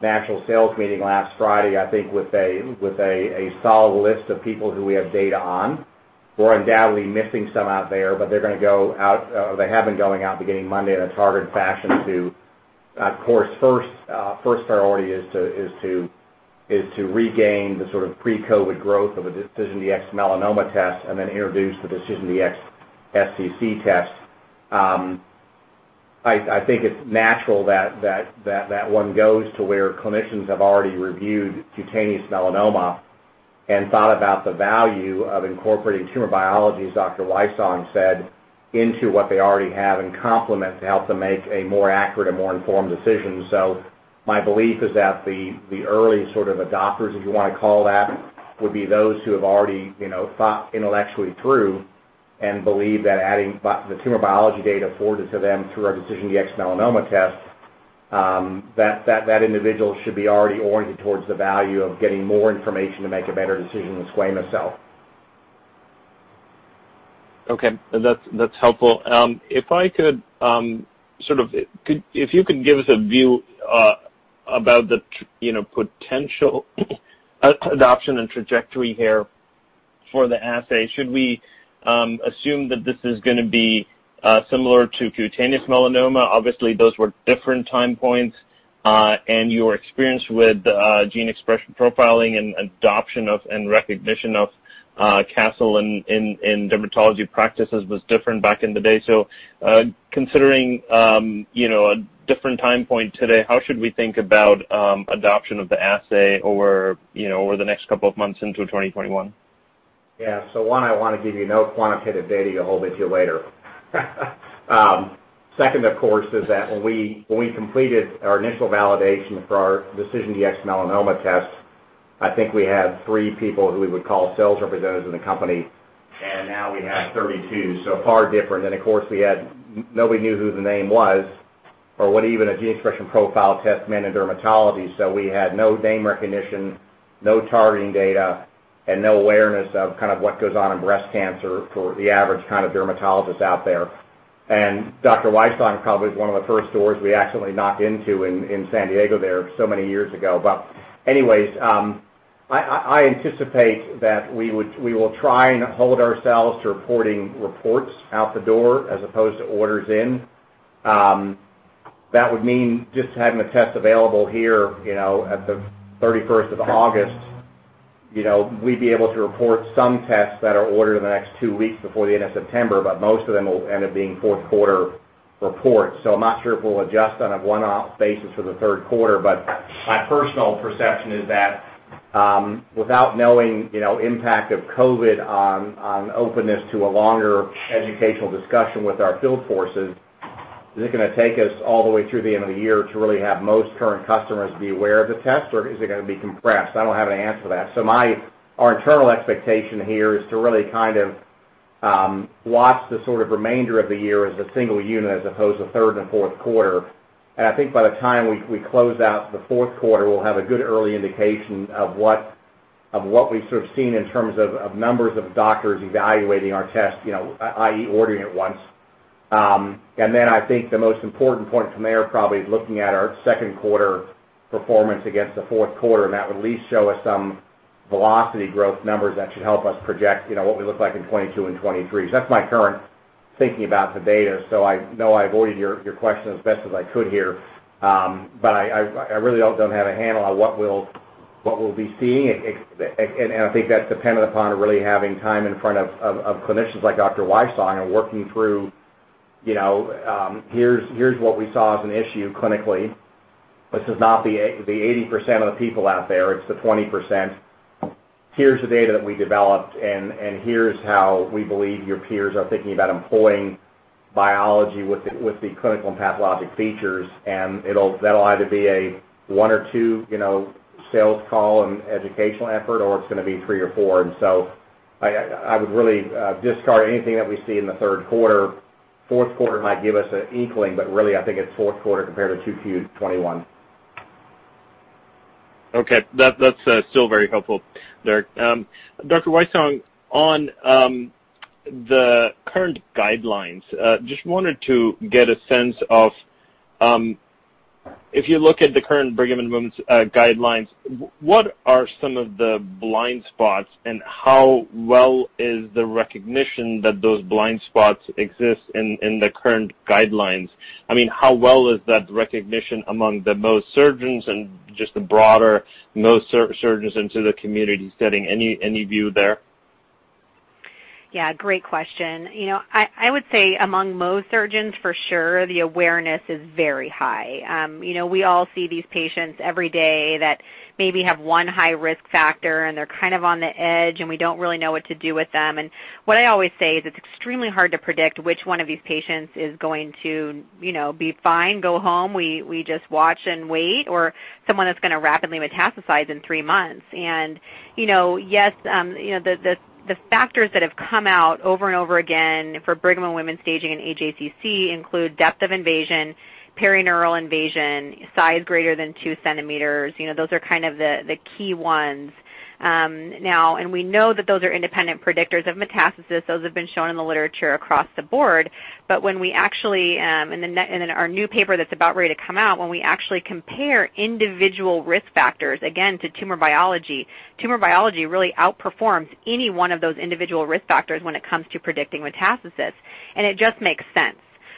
S3: national sales meeting last Friday, I think, with a solid list of people who we have data on. We're undoubtedly missing some out there, but they're going to go out or they have been going out beginning Monday in a targeted fashion to, of course, first priority is to regain the sort of pre-COVID growth of a DecisionDx-Melanoma test and then introduce the DecisionDx-SCC test. I think it's natural that one goes to where clinicians have already reviewed cutaneous melanoma and thought about the value of incorporating tumor biology, as Dr. Wysong said, into what they already have and complement to help them make a more accurate and more informed decision. My belief is that the early sort of adopters, if you want to call that, would be those who have already thought intellectually through and believe that adding the tumor biology data afforded to them through our DecisionDx-Melanoma test, that individual should be already oriented towards the value of getting more information to make a better decision in squamous cell.
S6: Okay. That's helpful. If I could sort of if you could give us a view about the potential adoption and trajectory here for the assay, should we assume that this is going to be similar to cutaneous melanoma? Obviously, those were different time points. And your experience with gene expression profiling and adoption and recognition of Castle in dermatology practices was different back in the day. Considering a different time point today, how should we think about adoption of the assay over the next couple of months into 2021?
S3: Yeah. One, I want to give you no quantitative data you'll hold until later. Second, of course, is that when we completed our initial validation for our DecisionDx-Melanoma test, I think we had three people who we would call sales representatives in the company, and now we have 32. Far different. Of course, nobody knew who the name was or what even a gene expression profile test meant in dermatology. We had no name recognition, no targeting data, and no awareness of kind of what goes on in breast cancer for the average kind of dermatologist out there. Dr. Wysong probably was one of the first doors we actually knocked into in San Diego there so many years ago. Anyways, I anticipate that we will try and hold ourselves to reporting reports out the door as opposed to orders in. That would mean just having a test available here at the 31st of August, we'd be able to report some tests that are ordered in the next two weeks before the end of September, but most of them will end up being fourth-quarter reports. I'm not sure if we'll adjust on a one-off basis for the third quarter, but my personal perception is that without knowing the impact of COVID on openness to a longer educational discussion with our field forces, is it going to take us all the way through the end of the year to really have most current customers be aware of the test, or is it going to be compressed? I don't have an answer for that. Our internal expectation here is to really kind of watch the sort of remainder of the year as a single unit as opposed to third and fourth quarter. I think by the time we close out the fourth quarter, we'll have a good early indication of what we've sort of seen in terms of numbers of doctors evaluating our test, i.e., ordering it once. I think the most important point from there is probably looking at our second quarter performance against the fourth quarter, and that would at least show us some velocity growth numbers that should help us project what we look like in 2022 and 2023. That's my current thinking about the data. I know I avoided your question as best as I could here, but I really don't have a handle on what we'll be seeing. I think that's dependent upon really having time in front of clinicians like Dr. Wysong and working through, "Here's what we saw as an issue clinically. This is not the 80% of the people out there. It's the 20%. Here's the data that we developed, and here's how we believe your peers are thinking about employing biology with the clinical and pathologic features." That'll either be a one or two sales call and educational effort, or it's going to be three or four. I would really discard anything that we see in the third quarter. Fourth quarter might give us an inkling, but really, I think it's fourth quarter compared to 2Q 2021.
S6: Okay. That's still very helpful, Derek. Dr. Wysong, on the current guidelines, just wanted to get a sense of if you look at the current Brigham and Women's guidelines, what are some of the blind spots, and how well is the recognition that those blind spots exist in the current guidelines? I mean, how well is that recognition among the Mohs surgeons and just the broader Mohs surgeons into the community setting? Any view there?
S4: Yeah. Great question. I would say among Mohs surgeons, for sure, the awareness is very high. We all see these patients every day that maybe have one high-risk factor, and they're kind of on the edge, and we don't really know what to do with them. What I always say is it's extremely hard to predict which one of these patients is going to be fine, go home, we just watch and wait, or someone that's going to rapidly metastasize in three months. Yes, the factors that have come out over and over again for Brigham and Women's staging and AJCC include depth of invasion, perineural invasion, size greater than 2 cm. Those are kind of the key ones. Now, we know that those are independent predictors of metastasis. Those have been shown in the literature across the board. When we actually in our new paper that's about ready to come out, when we actually compare individual risk factors, again, to tumor biology, tumor biology really outperforms any one of those individual risk factors when it comes to predicting metastasis. It just makes sense,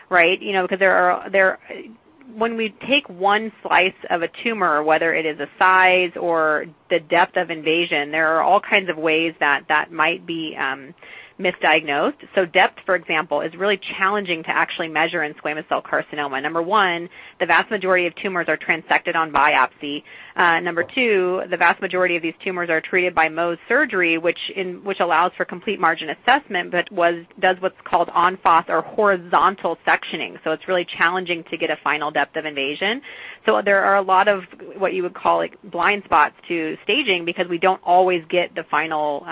S4: right? Because when we take one slice of a tumor, whether it is a size or the depth of invasion, there are all kinds of ways that that might be misdiagnosed. Depth, for example, is really challenging to actually measure in squamous cell carcinoma. Number one, the vast majority of tumors are transected on biopsy. Number two, the vast majority of these tumors are treated by Mohs surgery, which allows for complete margin assessment, but does what's called en face or horizontal sectioning. It is really challenging to get a final depth of invasion. There are a lot of what you would call blind spots to staging because we do not always get the final,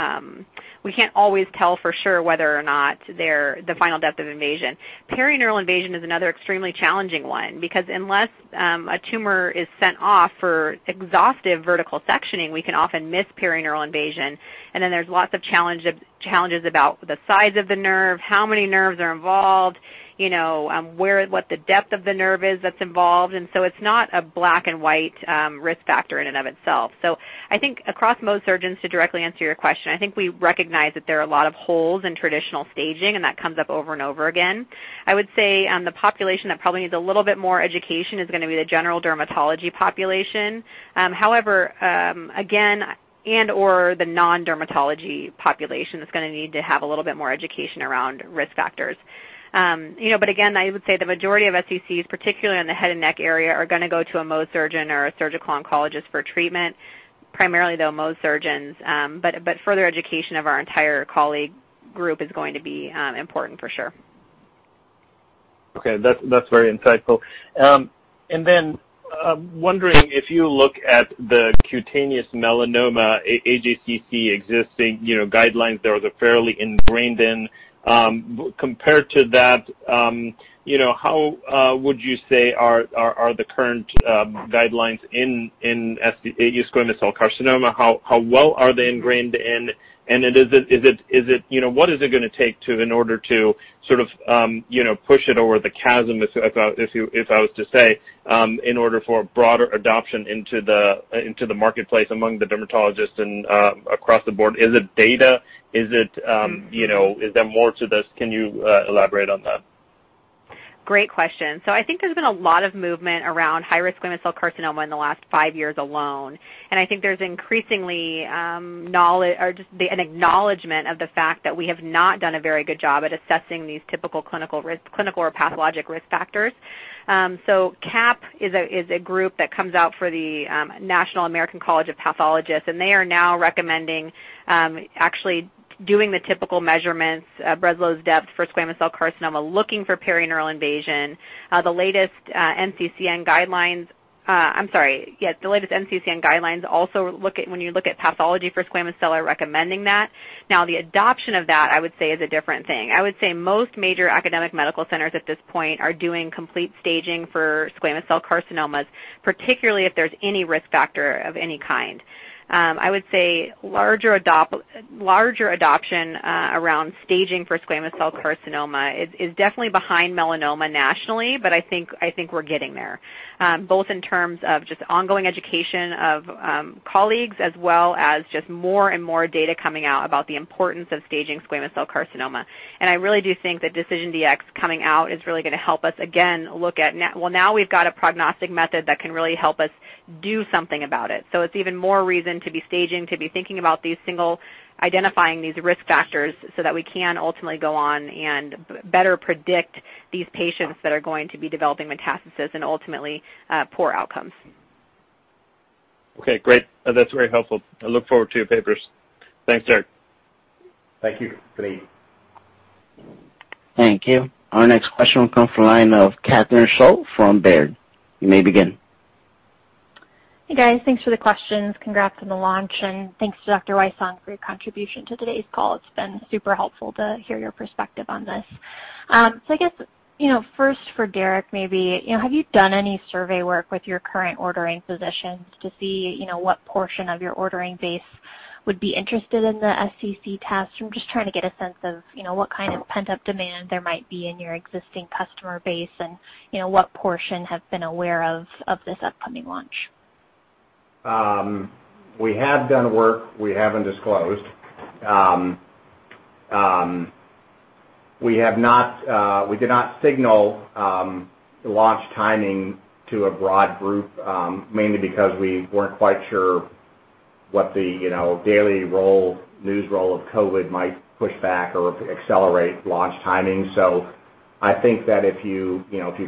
S4: we cannot always tell for sure whether or not they are the final depth of invasion. Perineural invasion is another extremely challenging one because unless a tumor is sent off for exhaustive vertical sectioning, we can often miss perineural invasion. There are lots of challenges about the size of the nerve, how many nerves are involved, what the depth of the nerve is that is involved. It is not a black and white risk factor in and of itself. I think across Mohs surgeons, to directly answer your question, I think we recognize that there are a lot of holes in traditional staging, and that comes up over and over again. I would say the population that probably needs a little bit more education is going to be the general dermatology population. However, again, and/or the non-dermatology population is going to need to have a little bit more education around risk factors. Again, I would say the majority of SCCs, particularly on the head and neck area, are going to go to a Mohs surgeon or a surgical oncologist for treatment, primarily though Mohs surgeons. Further education of our entire colleague group is going to be important for sure.
S6: Okay. That's very insightful. I am wondering if you look at the cutaneous melanoma AJCC existing guidelines, they're fairly ingrained in. Compared to that, how would you say are the current guidelines in squamous cell carcinoma? How well are they ingrained in? Is it what is it going to take in order to sort of push it over the chasm, if I was to say, in order for broader adoption into the marketplace among the dermatologists and across the board? Is it data? Is there more to this? Can you elaborate on that?
S4: Great question. I think there's been a lot of movement around high-risk squamous cell carcinoma in the last five years alone. I think there's increasingly an acknowledgment of the fact that we have not done a very good job at assessing these typical clinical or pathologic risk factors. CAP is a group that comes out for the National American College of Pathologists, and they are now recommending actually doing the typical measurements, Breslow's depth for squamous cell carcinoma, looking for perineural invasion. The latest NCCN guidelines—I'm sorry. Yes, the latest NCCN guidelines also look at when you look at pathology for squamous cell, are recommending that. Now, the adoption of that, I would say, is a different thing. I would say most major academic medical centers at this point are doing complete staging for squamous cell carcinomas, particularly if there's any risk factor of any kind. I would say larger adoption around staging for squamous cell carcinoma is definitely behind melanoma nationally, but I think we're getting there, both in terms of just ongoing education of colleagues as well as just more and more data coming out about the importance of staging squamous cell carcinoma. I really do think that DecisionDx coming out is really going to help us, again, look at, well, now we've got a prognostic method that can really help us do something about it. It's even more reason to be staging, to be thinking about these single identifying these risk factors so that we can ultimately go on and better predict these patients that are going to be developing metastasis and ultimately poor outcomes.
S6: Okay. Great. That's very helpful. I look forward to your papers. Thanks, Derek.
S3: Thank you, Puneet.
S1: Thank you. Our next question will come from the line of Catherine Schulte from Baird. You may begin.
S7: Hey, guys. Thanks for the questions. Congrats on the launch. Thanks to Dr. Wysong for your contribution to today's call. It's been super helpful to hear your perspective on this. I guess first for Derek, maybe, have you done any survey work with your current ordering physicians to see what portion of your ordering base would be interested in the SCC test? I'm just trying to get a sense of what kind of pent-up demand there might be in your existing customer base and what portion have been aware of this upcoming launch.
S3: We have done work. We haven't disclosed. We did not signal launch timing to a broad group, mainly because we weren't quite sure what the daily news role of COVID might push back or accelerate launch timing. I think that if you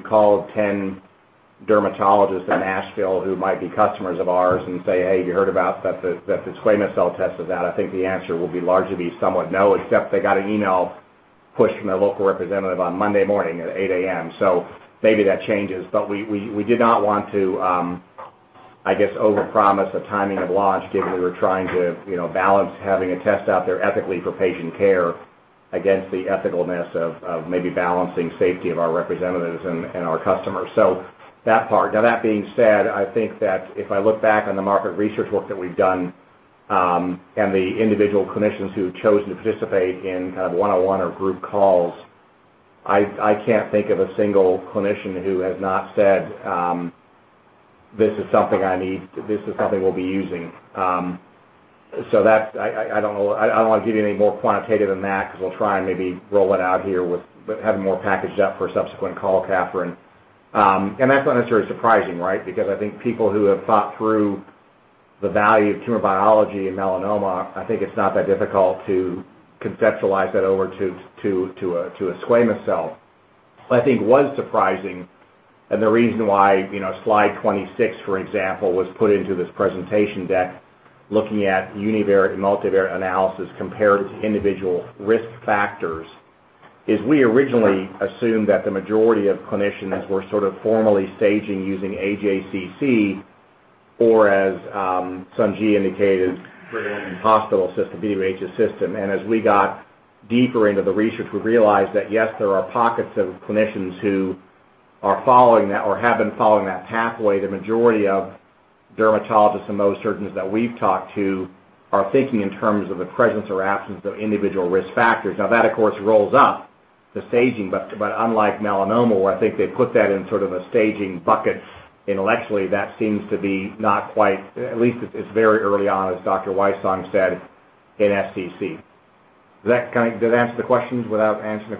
S3: call 10 dermatologists in Nashville who might be customers of ours and say, "Hey, you heard about the squamous cell test?" I think the answer will largely be somewhat no, except they got an email pushed from their local representative on Monday morning at 8:00 A.M. Maybe that changes. We did not want to, I guess, overpromise the timing of launch given we were trying to balance having a test out there ethically for patient care against the ethicalness of maybe balancing safety of our representatives and our customers. That part. Now, that being said, I think that if I look back on the market research work that we've done and the individual clinicians who chose to participate in kind of one-on-one or group calls, I can't think of a single clinician who has not said, "This is something I need. This is something we'll be using." I don't want to give you any more quantitative than that because we'll try and maybe roll it out here with having more packaged up for a subsequent call, Catherine. That's not necessarily surprising, right? I think people who have thought through the value of tumor biology and melanoma, I think it's not that difficult to conceptualize that over to a squamous cell. I think what is surprising and the reason why slide 26, for example, was put into this presentation deck looking at univariate and multivariate analysis compared to individual risk factors is we originally assumed that the majority of clinicians were sort of formally staging using AJCC or, as Shung Ji indicated, hospital system, BWH system. As we got deeper into the research, we realized that, yes, there are pockets of clinicians who are following that or have been following that pathway. The majority of dermatologists and Mohs surgeons that we've talked to are thinking in terms of the presence or absence of individual risk factors. Now, that, of course, rolls up the staging. Unlike melanoma, where I think they put that in sort of a staging bucket intellectually, that seems to be not quite at least it's very early on, as Dr. Wysong said, in SCC. Does that answer the questions without answering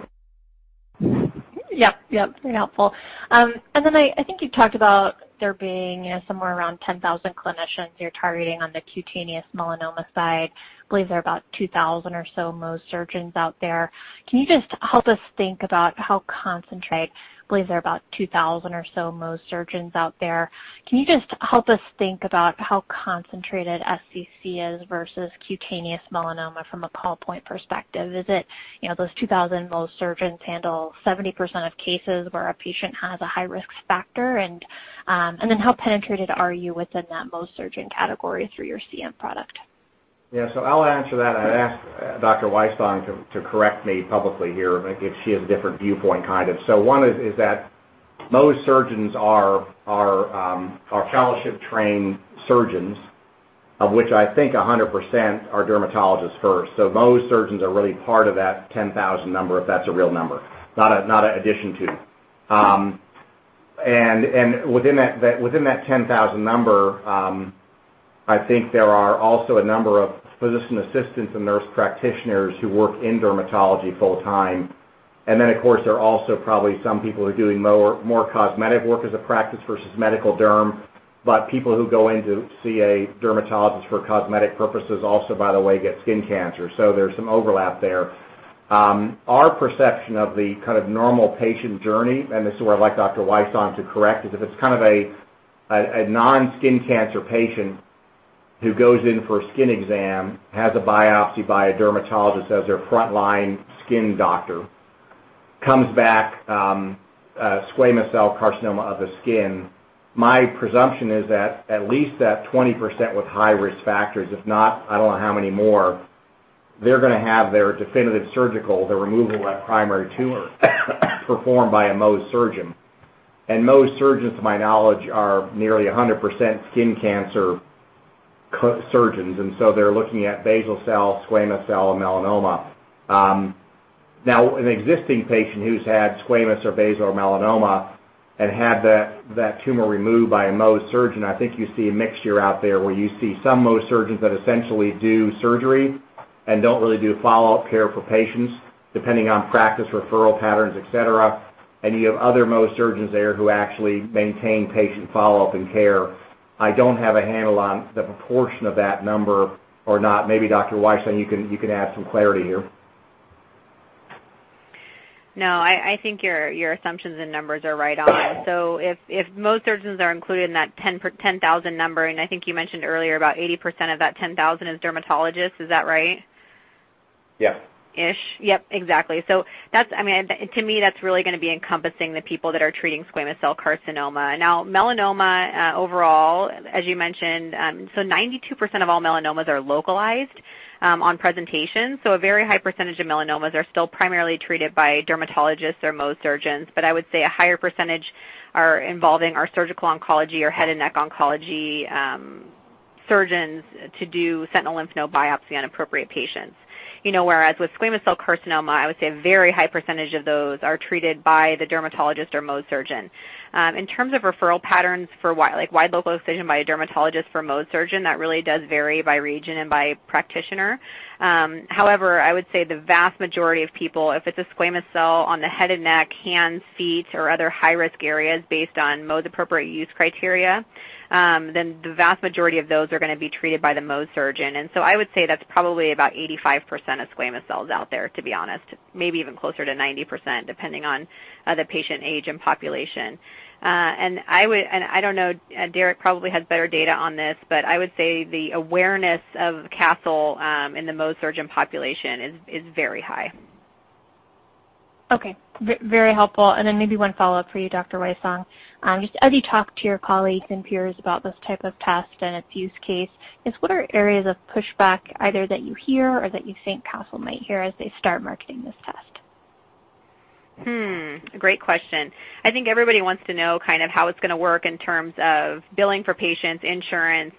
S3: the question?
S7: Yep. Yep. Very helpful. I think you talked about there being somewhere around 10,000 clinicians you're targeting on the cutaneous melanoma side. I believe there are about 2,000 or so Mohs surgeons out there. Can you just help us think about how concentrated? I believe there are about 2,000 or so Mohs surgeons out there. Can you just help us think about how concentrated SCC is versus cutaneous melanoma from a pull point perspective? Is it those 2,000 Mohs surgeons handle 70% of cases where a patient has a high-risk factor? How penetrated are you within that Mohs surgeon category through your CM product?
S3: Yeah. I'll answer that. I asked Dr. Wysong to correct me publicly here if she has a different viewpoint kind of. One is that Mohs surgeons are fellowship-trained surgeons, of which I think 100% are dermatologists first. Mohs surgeons are really part of that 10,000 number if that's a real number, not an addition to. Within that 10,000 number, I think there are also a number of physician assistants and nurse practitioners who work in dermatology full-time. Of course, there are also probably some people who are doing more cosmetic work as a practice versus medical derm, but people who go in to see a dermatologist for cosmetic purposes also, by the way, get skin cancer. There's some overlap there. Our perception of the kind of normal patient journey—and this is where I'd like Dr. Wysong to correct—is if it's kind of a non-skin cancer patient who goes in for a skin exam, has a biopsy by a dermatologist as their frontline skin doctor, comes back squamous cell carcinoma of the skin, my presumption is that at least that 20% with high-risk factors, if not, I don't know how many more, they're going to have their definitive surgical, the removal of that primary tumor, performed by a Mohs surgeon. Mohs surgeons, to my knowledge, are nearly 100% skin cancer surgeons. They're looking at basal cell, squamous cell, and melanoma. Now, an existing patient who's had squamous or basal melanoma and had that tumor removed by a Mohs surgeon, I think you see a mixture out there where you see some Mohs surgeons that essentially do surgery and don't really do follow-up care for patients depending on practice referral patterns, etc. You have other Mohs surgeons there who actually maintain patient follow-up and care. I don't have a handle on the proportion of that number or not. Maybe Dr. Wysong, you can add some clarity here.
S4: No. I think your assumptions and numbers are right on. If Mohs surgeons are included in that 10,000 number, and I think you mentioned earlier about 80% of that 10,000 is dermatologists. Is that right?
S3: Yes.
S4: Yep. Exactly. I mean, to me, that's really going to be encompassing the people that are treating squamous cell carcinoma. Now, melanoma overall, as you mentioned, 92% of all melanomas are localized on presentation. A very high percentage of melanomas are still primarily treated by dermatologists or Mohs surgeons. I would say a higher percentage are involving our surgical oncology or head and neck oncology surgeons to do sentinel lymph node biopsy on appropriate patients. Whereas with squamous cell carcinoma, I would say a very high percentage of those are treated by the dermatologist or Mohs surgeon. In terms of referral patterns for wide local excision by a dermatologist for a Mohs surgeon, that really does vary by region and by practitioner. However, I would say the vast majority of people, if it's a squamous cell on the head and neck, hands, feet, or other high-risk areas based on Mohs-appropriate use criteria, the vast majority of those are going to be treated by the Mohs surgeon. I would say that's probably about 85% of squamous cells out there, to be honest, maybe even closer to 90% depending on the patient age and population. I don't know. Derek probably has better data on this, but I would say the awareness of Castle in the Mohs surgeon population is very high.
S7: Okay. Very helpful. Maybe one follow-up for you, Dr. Wysong. Just as you talk to your colleagues and peers about this type of test and its use case, what are areas of pushback either that you hear or that you think Castle might hear as they start marketing this test?
S4: Great question. I think everybody wants to know kind of how it's going to work in terms of billing for patients, insurance,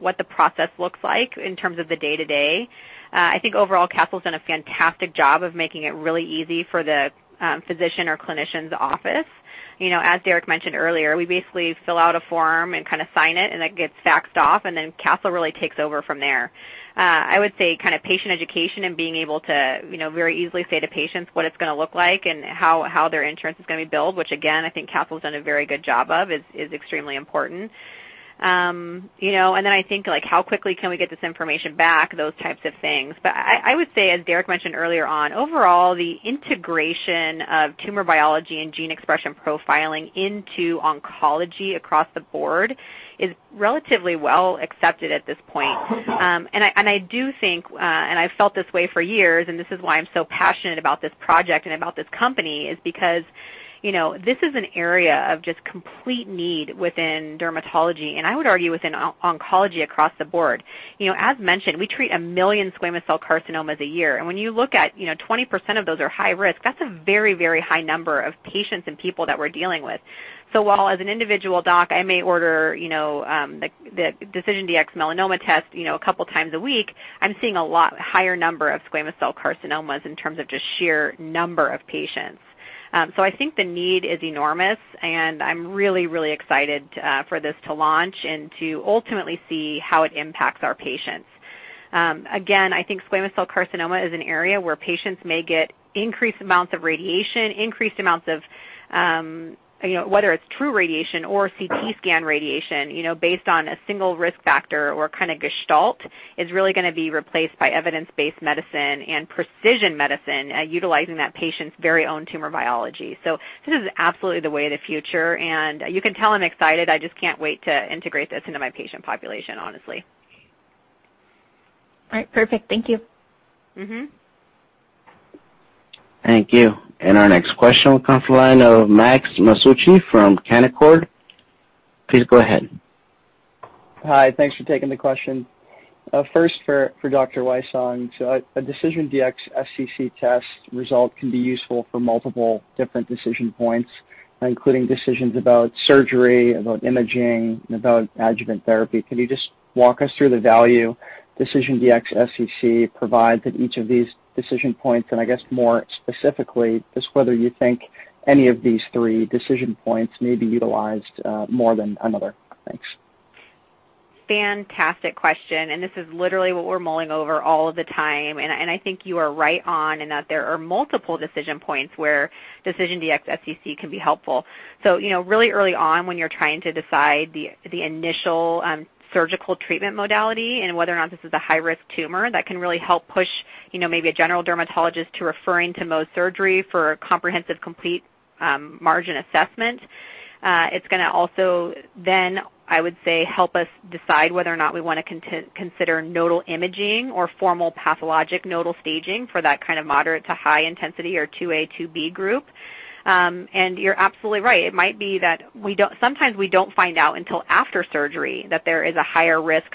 S4: what the process looks like in terms of the day-to-day. I think overall, Castle's done a fantastic job of making it really easy for the physician or clinician's office. As Derek mentioned earlier, we basically fill out a form and kind of sign it, and it gets faxed off, and then Castle really takes over from there. I would say kind of patient education and being able to very easily say to patients what it's going to look like and how their insurance is going to be billed, which, again, I think Castle's done a very good job of, is extremely important. I think how quickly can we get this information back, those types of things. I would say, as Derek mentioned earlier on, overall, the integration of tumor biology and gene expression profiling into oncology across the board is relatively well accepted at this point. I do think, and I've felt this way for years, and this is why I'm so passionate about this project and about this company, is because this is an area of just complete need within dermatology and I would argue within oncology across the board. As mentioned, we treat a million squamous cell carcinomas a year. When you look at 20% of those are high-risk, that's a very, very high number of patients and people that we're dealing with. While as an individual doc, I may order the DecisionDx-Melanoma test a couple of times a week, I'm seeing a lot higher number of squamous cell carcinomas in terms of just sheer number of patients. I think the need is enormous, and I'm really, really excited for this to launch and to ultimately see how it impacts our patients. Again, I think squamous cell carcinoma is an area where patients may get increased amounts of radiation, increased amounts of whether it's true radiation or CT scan radiation based on a single risk factor or kind of gestalt is really going to be replaced by evidence-based medicine and precision medicine utilizing that patient's very own tumor biology. This is absolutely the way of the future. You can tell I'm excited. I just can't wait to integrate this into my patient population, honestly.
S7: All right. Perfect. Thank you.
S1: Thank you. Our next question will come from the line of Max Mazzucci from Canicore. Please go ahead. Hi. Thanks for taking the question. First, for Dr. Wysong, so a DecisionDx-SCC test result can be useful for multiple different decision points, including decisions about surgery, about imaging, and about adjuvant therapy. Can you just walk us through the value DecisionDx-SCC provides at each of these decision points? I guess more specifically, just whether you think any of these three decision points may be utilized more than another. Thanks.
S4: Fantastic question. This is literally what we're mulling over all of the time. I think you are right on in that there are multiple decision points where DecisionDx-SCC can be helpful. Really early on, when you're trying to decide the initial surgical treatment modality and whether or not this is a high-risk tumor, that can really help push maybe a general dermatologist to referring to Mohs surgery for comprehensive complete margin assessment. It's going to also then, I would say, help us decide whether or not we want to consider nodal imaging or formal pathologic nodal staging for that kind of moderate to high-intensity or 2A, 2B group. You're absolutely right. It might be that sometimes we do not find out until after surgery that there is a higher risk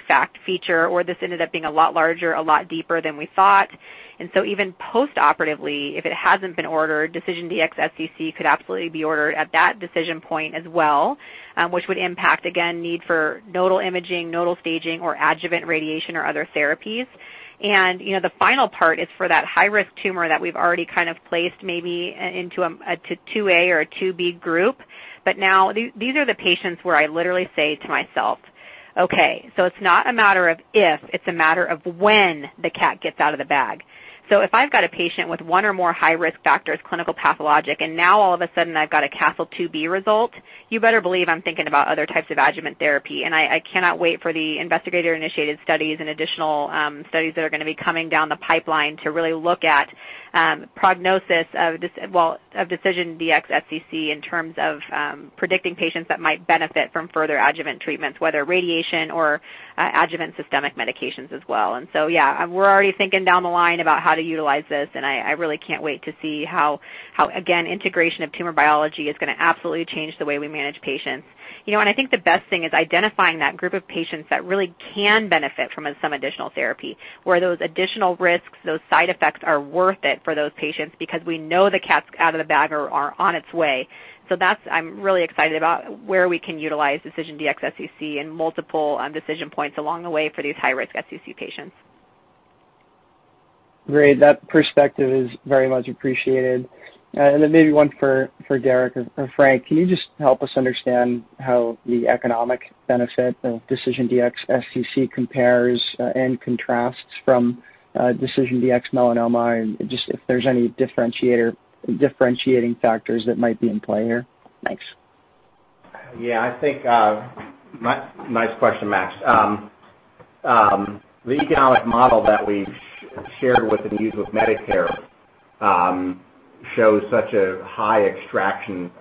S4: feature or this ended up being a lot larger, a lot deeper than we thought. Even post-operatively, if it has not been ordered, DecisionDx-SCC could absolutely be ordered at that decision point as well, which would impact, again, need for nodal imaging, nodal staging, or adjuvant radiation or other therapies. The final part is for that high-risk tumor that we have already kind of placed maybe into a 2A or a 2B group. These are the patients where I literally say to myself, "Okay. So it is not a matter of if. It's a matter of when the cat gets out of the bag." If I've got a patient with one or more high-risk factors, clinical pathologic, and now all of a sudden I've got a Castle 2B result, you better believe I'm thinking about other types of adjuvant therapy. I cannot wait for the investigator-initiated studies and additional studies that are going to be coming down the pipeline to really look at prognosis of DecisionDx-SCC in terms of predicting patients that might benefit from further adjuvant treatments, whether radiation or adjuvant systemic medications as well. Yeah, we're already thinking down the line about how to utilize this. I really can't wait to see how, again, integration of tumor biology is going to absolutely change the way we manage patients. I think the best thing is identifying that group of patients that really can benefit from some additional therapy where those additional risks, those side effects are worth it for those patients because we know the cat's out of the bag or on its way. I'm really excited about where we can utilize DecisionDx-SCC and multiple decision points along the way for these high-risk SCC patients. Great. That perspective is very much appreciated. Maybe one for Derek or Frank. Can you just help us understand how the economic benefit of DecisionDx-SCC compares and contrasts from DecisionDx-Melanoma and just if there's any differentiating factors that might be in play here? Thanks.
S3: Yeah. I think nice question, Max. The economic model that we've shared with and used with Medicare shows such a high extraction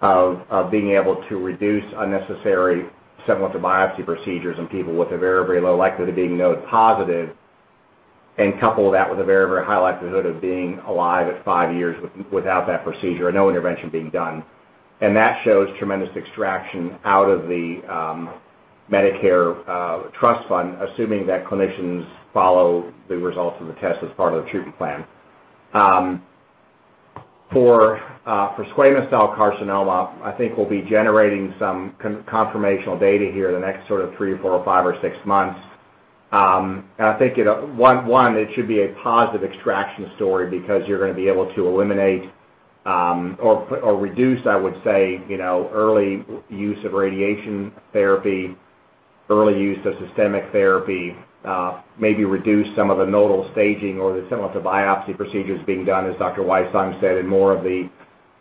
S3: of being able to reduce unnecessary sentinel lymph node biopsy procedures in people with a very, very low likelihood of being node positive and couple that with a very, very high likelihood of being alive at five years without that procedure, no intervention being done. That shows tremendous extraction out of the Medicare trust fund, assuming that clinicians follow the results of the test as part of the treatment plan. For squamous cell carcinoma, I think we'll be generating some confirmational data here in the next sort of three, four, or five, or six months. I think, one, it should be a positive extraction story because you're going to be able to eliminate or reduce, I would say, early use of radiation therapy, early use of systemic therapy, maybe reduce some of the nodal staging or the sentinel lymph node biopsy procedures being done, as Dr. Wysong said, in more of the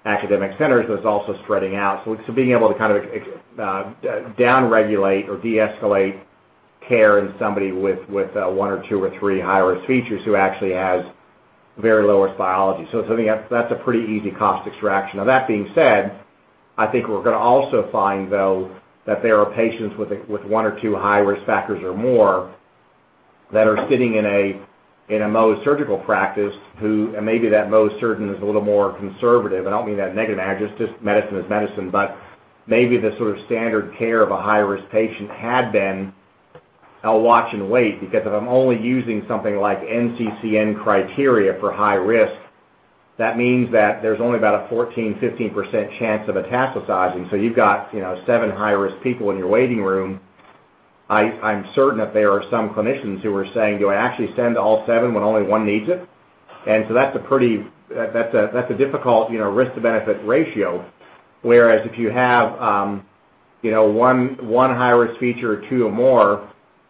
S3: academic centers that's also spreading out. Being able to kind of downregulate or de-escalate care in somebody with one or two or three high-risk features who actually has very low-risk biology. I think that's a pretty easy cost extraction. That being said, I think we're going to also find, though, that there are patients with one or two high-risk factors or more that are sitting in a Mohs surgical practice who maybe that Mohs surgeon is a little more conservative. I don't mean that in a negative manner. Just medicine is medicine. Maybe the sort of standard care of a high-risk patient had been a watch and wait because if I'm only using something like NCCN criteria for high risk, that means that there's only about a 14-15% chance of metastasizing. You have seven high-risk people in your waiting room. I'm certain that there are some clinicians who are saying, "Do I actually send all seven when only one needs it?" That is a difficult risk-to-benefit ratio. Whereas if you have one high-risk feature or two or more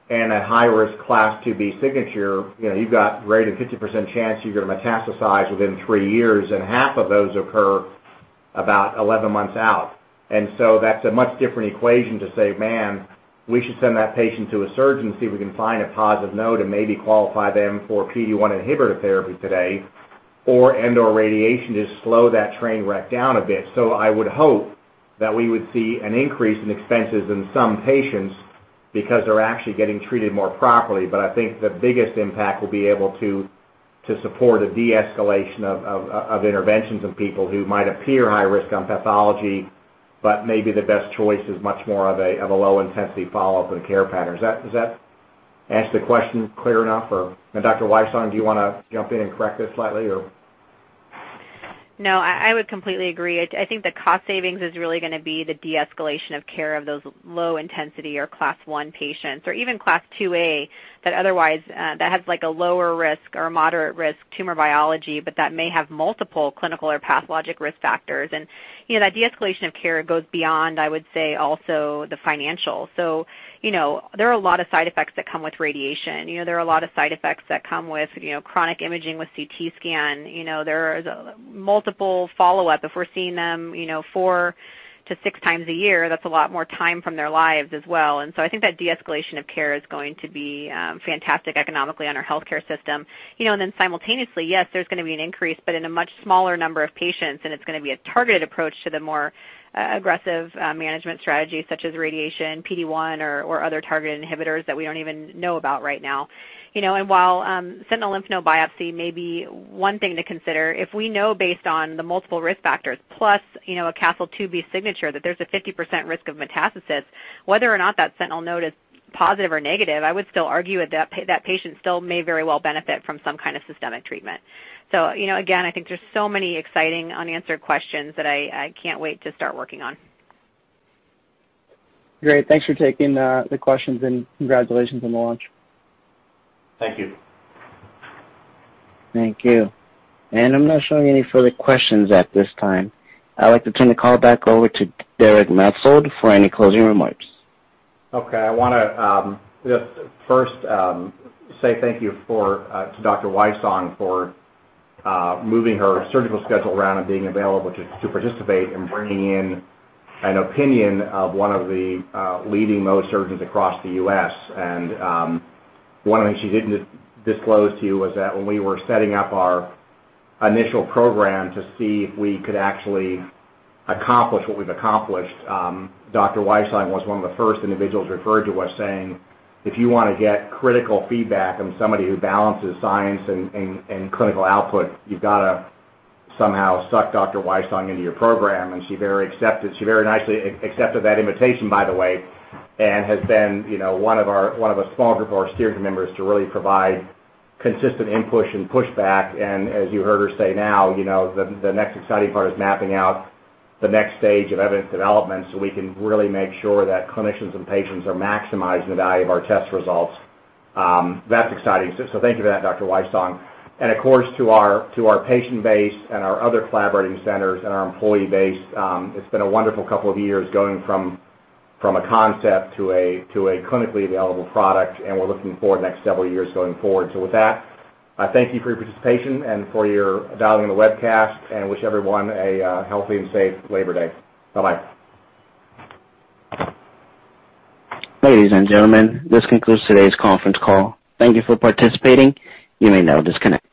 S3: and a high-risk class 2B signature, you have greater than 50% chance you're going to metastasize within three years, and half of those occur about 11 months out. That's a much different equation to say, "Man, we should send that patient to a surgeon and see if we can find a positive node and maybe qualify them for PD-1 inhibitor therapy today and/or radiation to slow that train wreck down a bit." I would hope that we would see an increase in expenses in some patients because they're actually getting treated more properly. I think the biggest impact will be able to support a de-escalation of interventions in people who might appear high-risk on pathology, but maybe the best choice is much more of a low-intensity follow-up and care pattern. Does that answer the question clear enough? Dr. Wysong, do you want to jump in and correct this slightly or?
S4: No. I would completely agree. I think the cost savings is really going to be the de-escalation of care of those low-intensity or Class 1 patients or even Class 2A that otherwise has a lower risk or moderate risk tumor biology, but that may have multiple clinical or pathologic risk factors. That de-escalation of care goes beyond, I would say, also the financial. There are a lot of side effects that come with radiation. There are a lot of side effects that come with chronic imaging with CT scan. There is multiple follow-up. If we're seeing them four to six times a year, that's a lot more time from their lives as well. I think that de-escalation of care is going to be fantastic economically on our healthcare system. Then simultaneously, yes, there's going to be an increase, but in a much smaller number of patients, and it's going to be a targeted approach to the more aggressive management strategies such as radiation, PD-1, or other targeted inhibitors that we don't even know about right now. While sentinel lymph node biopsy may be one thing to consider, if we know based on the multiple risk factors plus a Castle 2B signature that there's a 50% risk of metastasis, whether or not that sentinel node is positive or negative, I would still argue that that patient still may very well benefit from some kind of systemic treatment. I think there's so many exciting unanswered questions that I can't wait to start working on. Great. Thanks for taking the questions and congratulations on the launch.
S3: Thank you.
S1: Thank you. I am not showing any further questions at this time. I would like to turn the call back over to Derek Maetzold for any closing remarks.
S3: Okay. I want to just first say thank you to Dr. Wysong for moving her surgical schedule around and being available to participate in bringing in an opinion of one of the leading Mohs surgeons across the U.S. One of the things she did not disclose to you was that when we were setting up our initial program to see if we could actually accomplish what we have accomplished, Dr. Wysong was one of the first individuals referred to us saying, "If you want to get critical feedback on somebody who balances science and clinical output, you have got to somehow suck Dr. Wysong into your program." She very nicely accepted that invitation, by the way, and has been one of a small group of our steering members to really provide consistent input and pushback. As you heard her say now, the next exciting part is mapping out the next stage of evidence development so we can really make sure that clinicians and patients are maximizing the value of our test results. That is exciting. Thank you for that, Dr. Wysong. Of course, to our patient base and our other collaborating centers and our employee base, it has been a wonderful couple of years going from a concept to a clinically available product, and we are looking forward to the next several years going forward. With that, I thank you for your participation and for dialing in to the webcast, and wish everyone a healthy and safe Labor Day. Bye-bye.
S1: Ladies and gentlemen, this concludes today's conference call. Thank you for participating. You may now disconnect.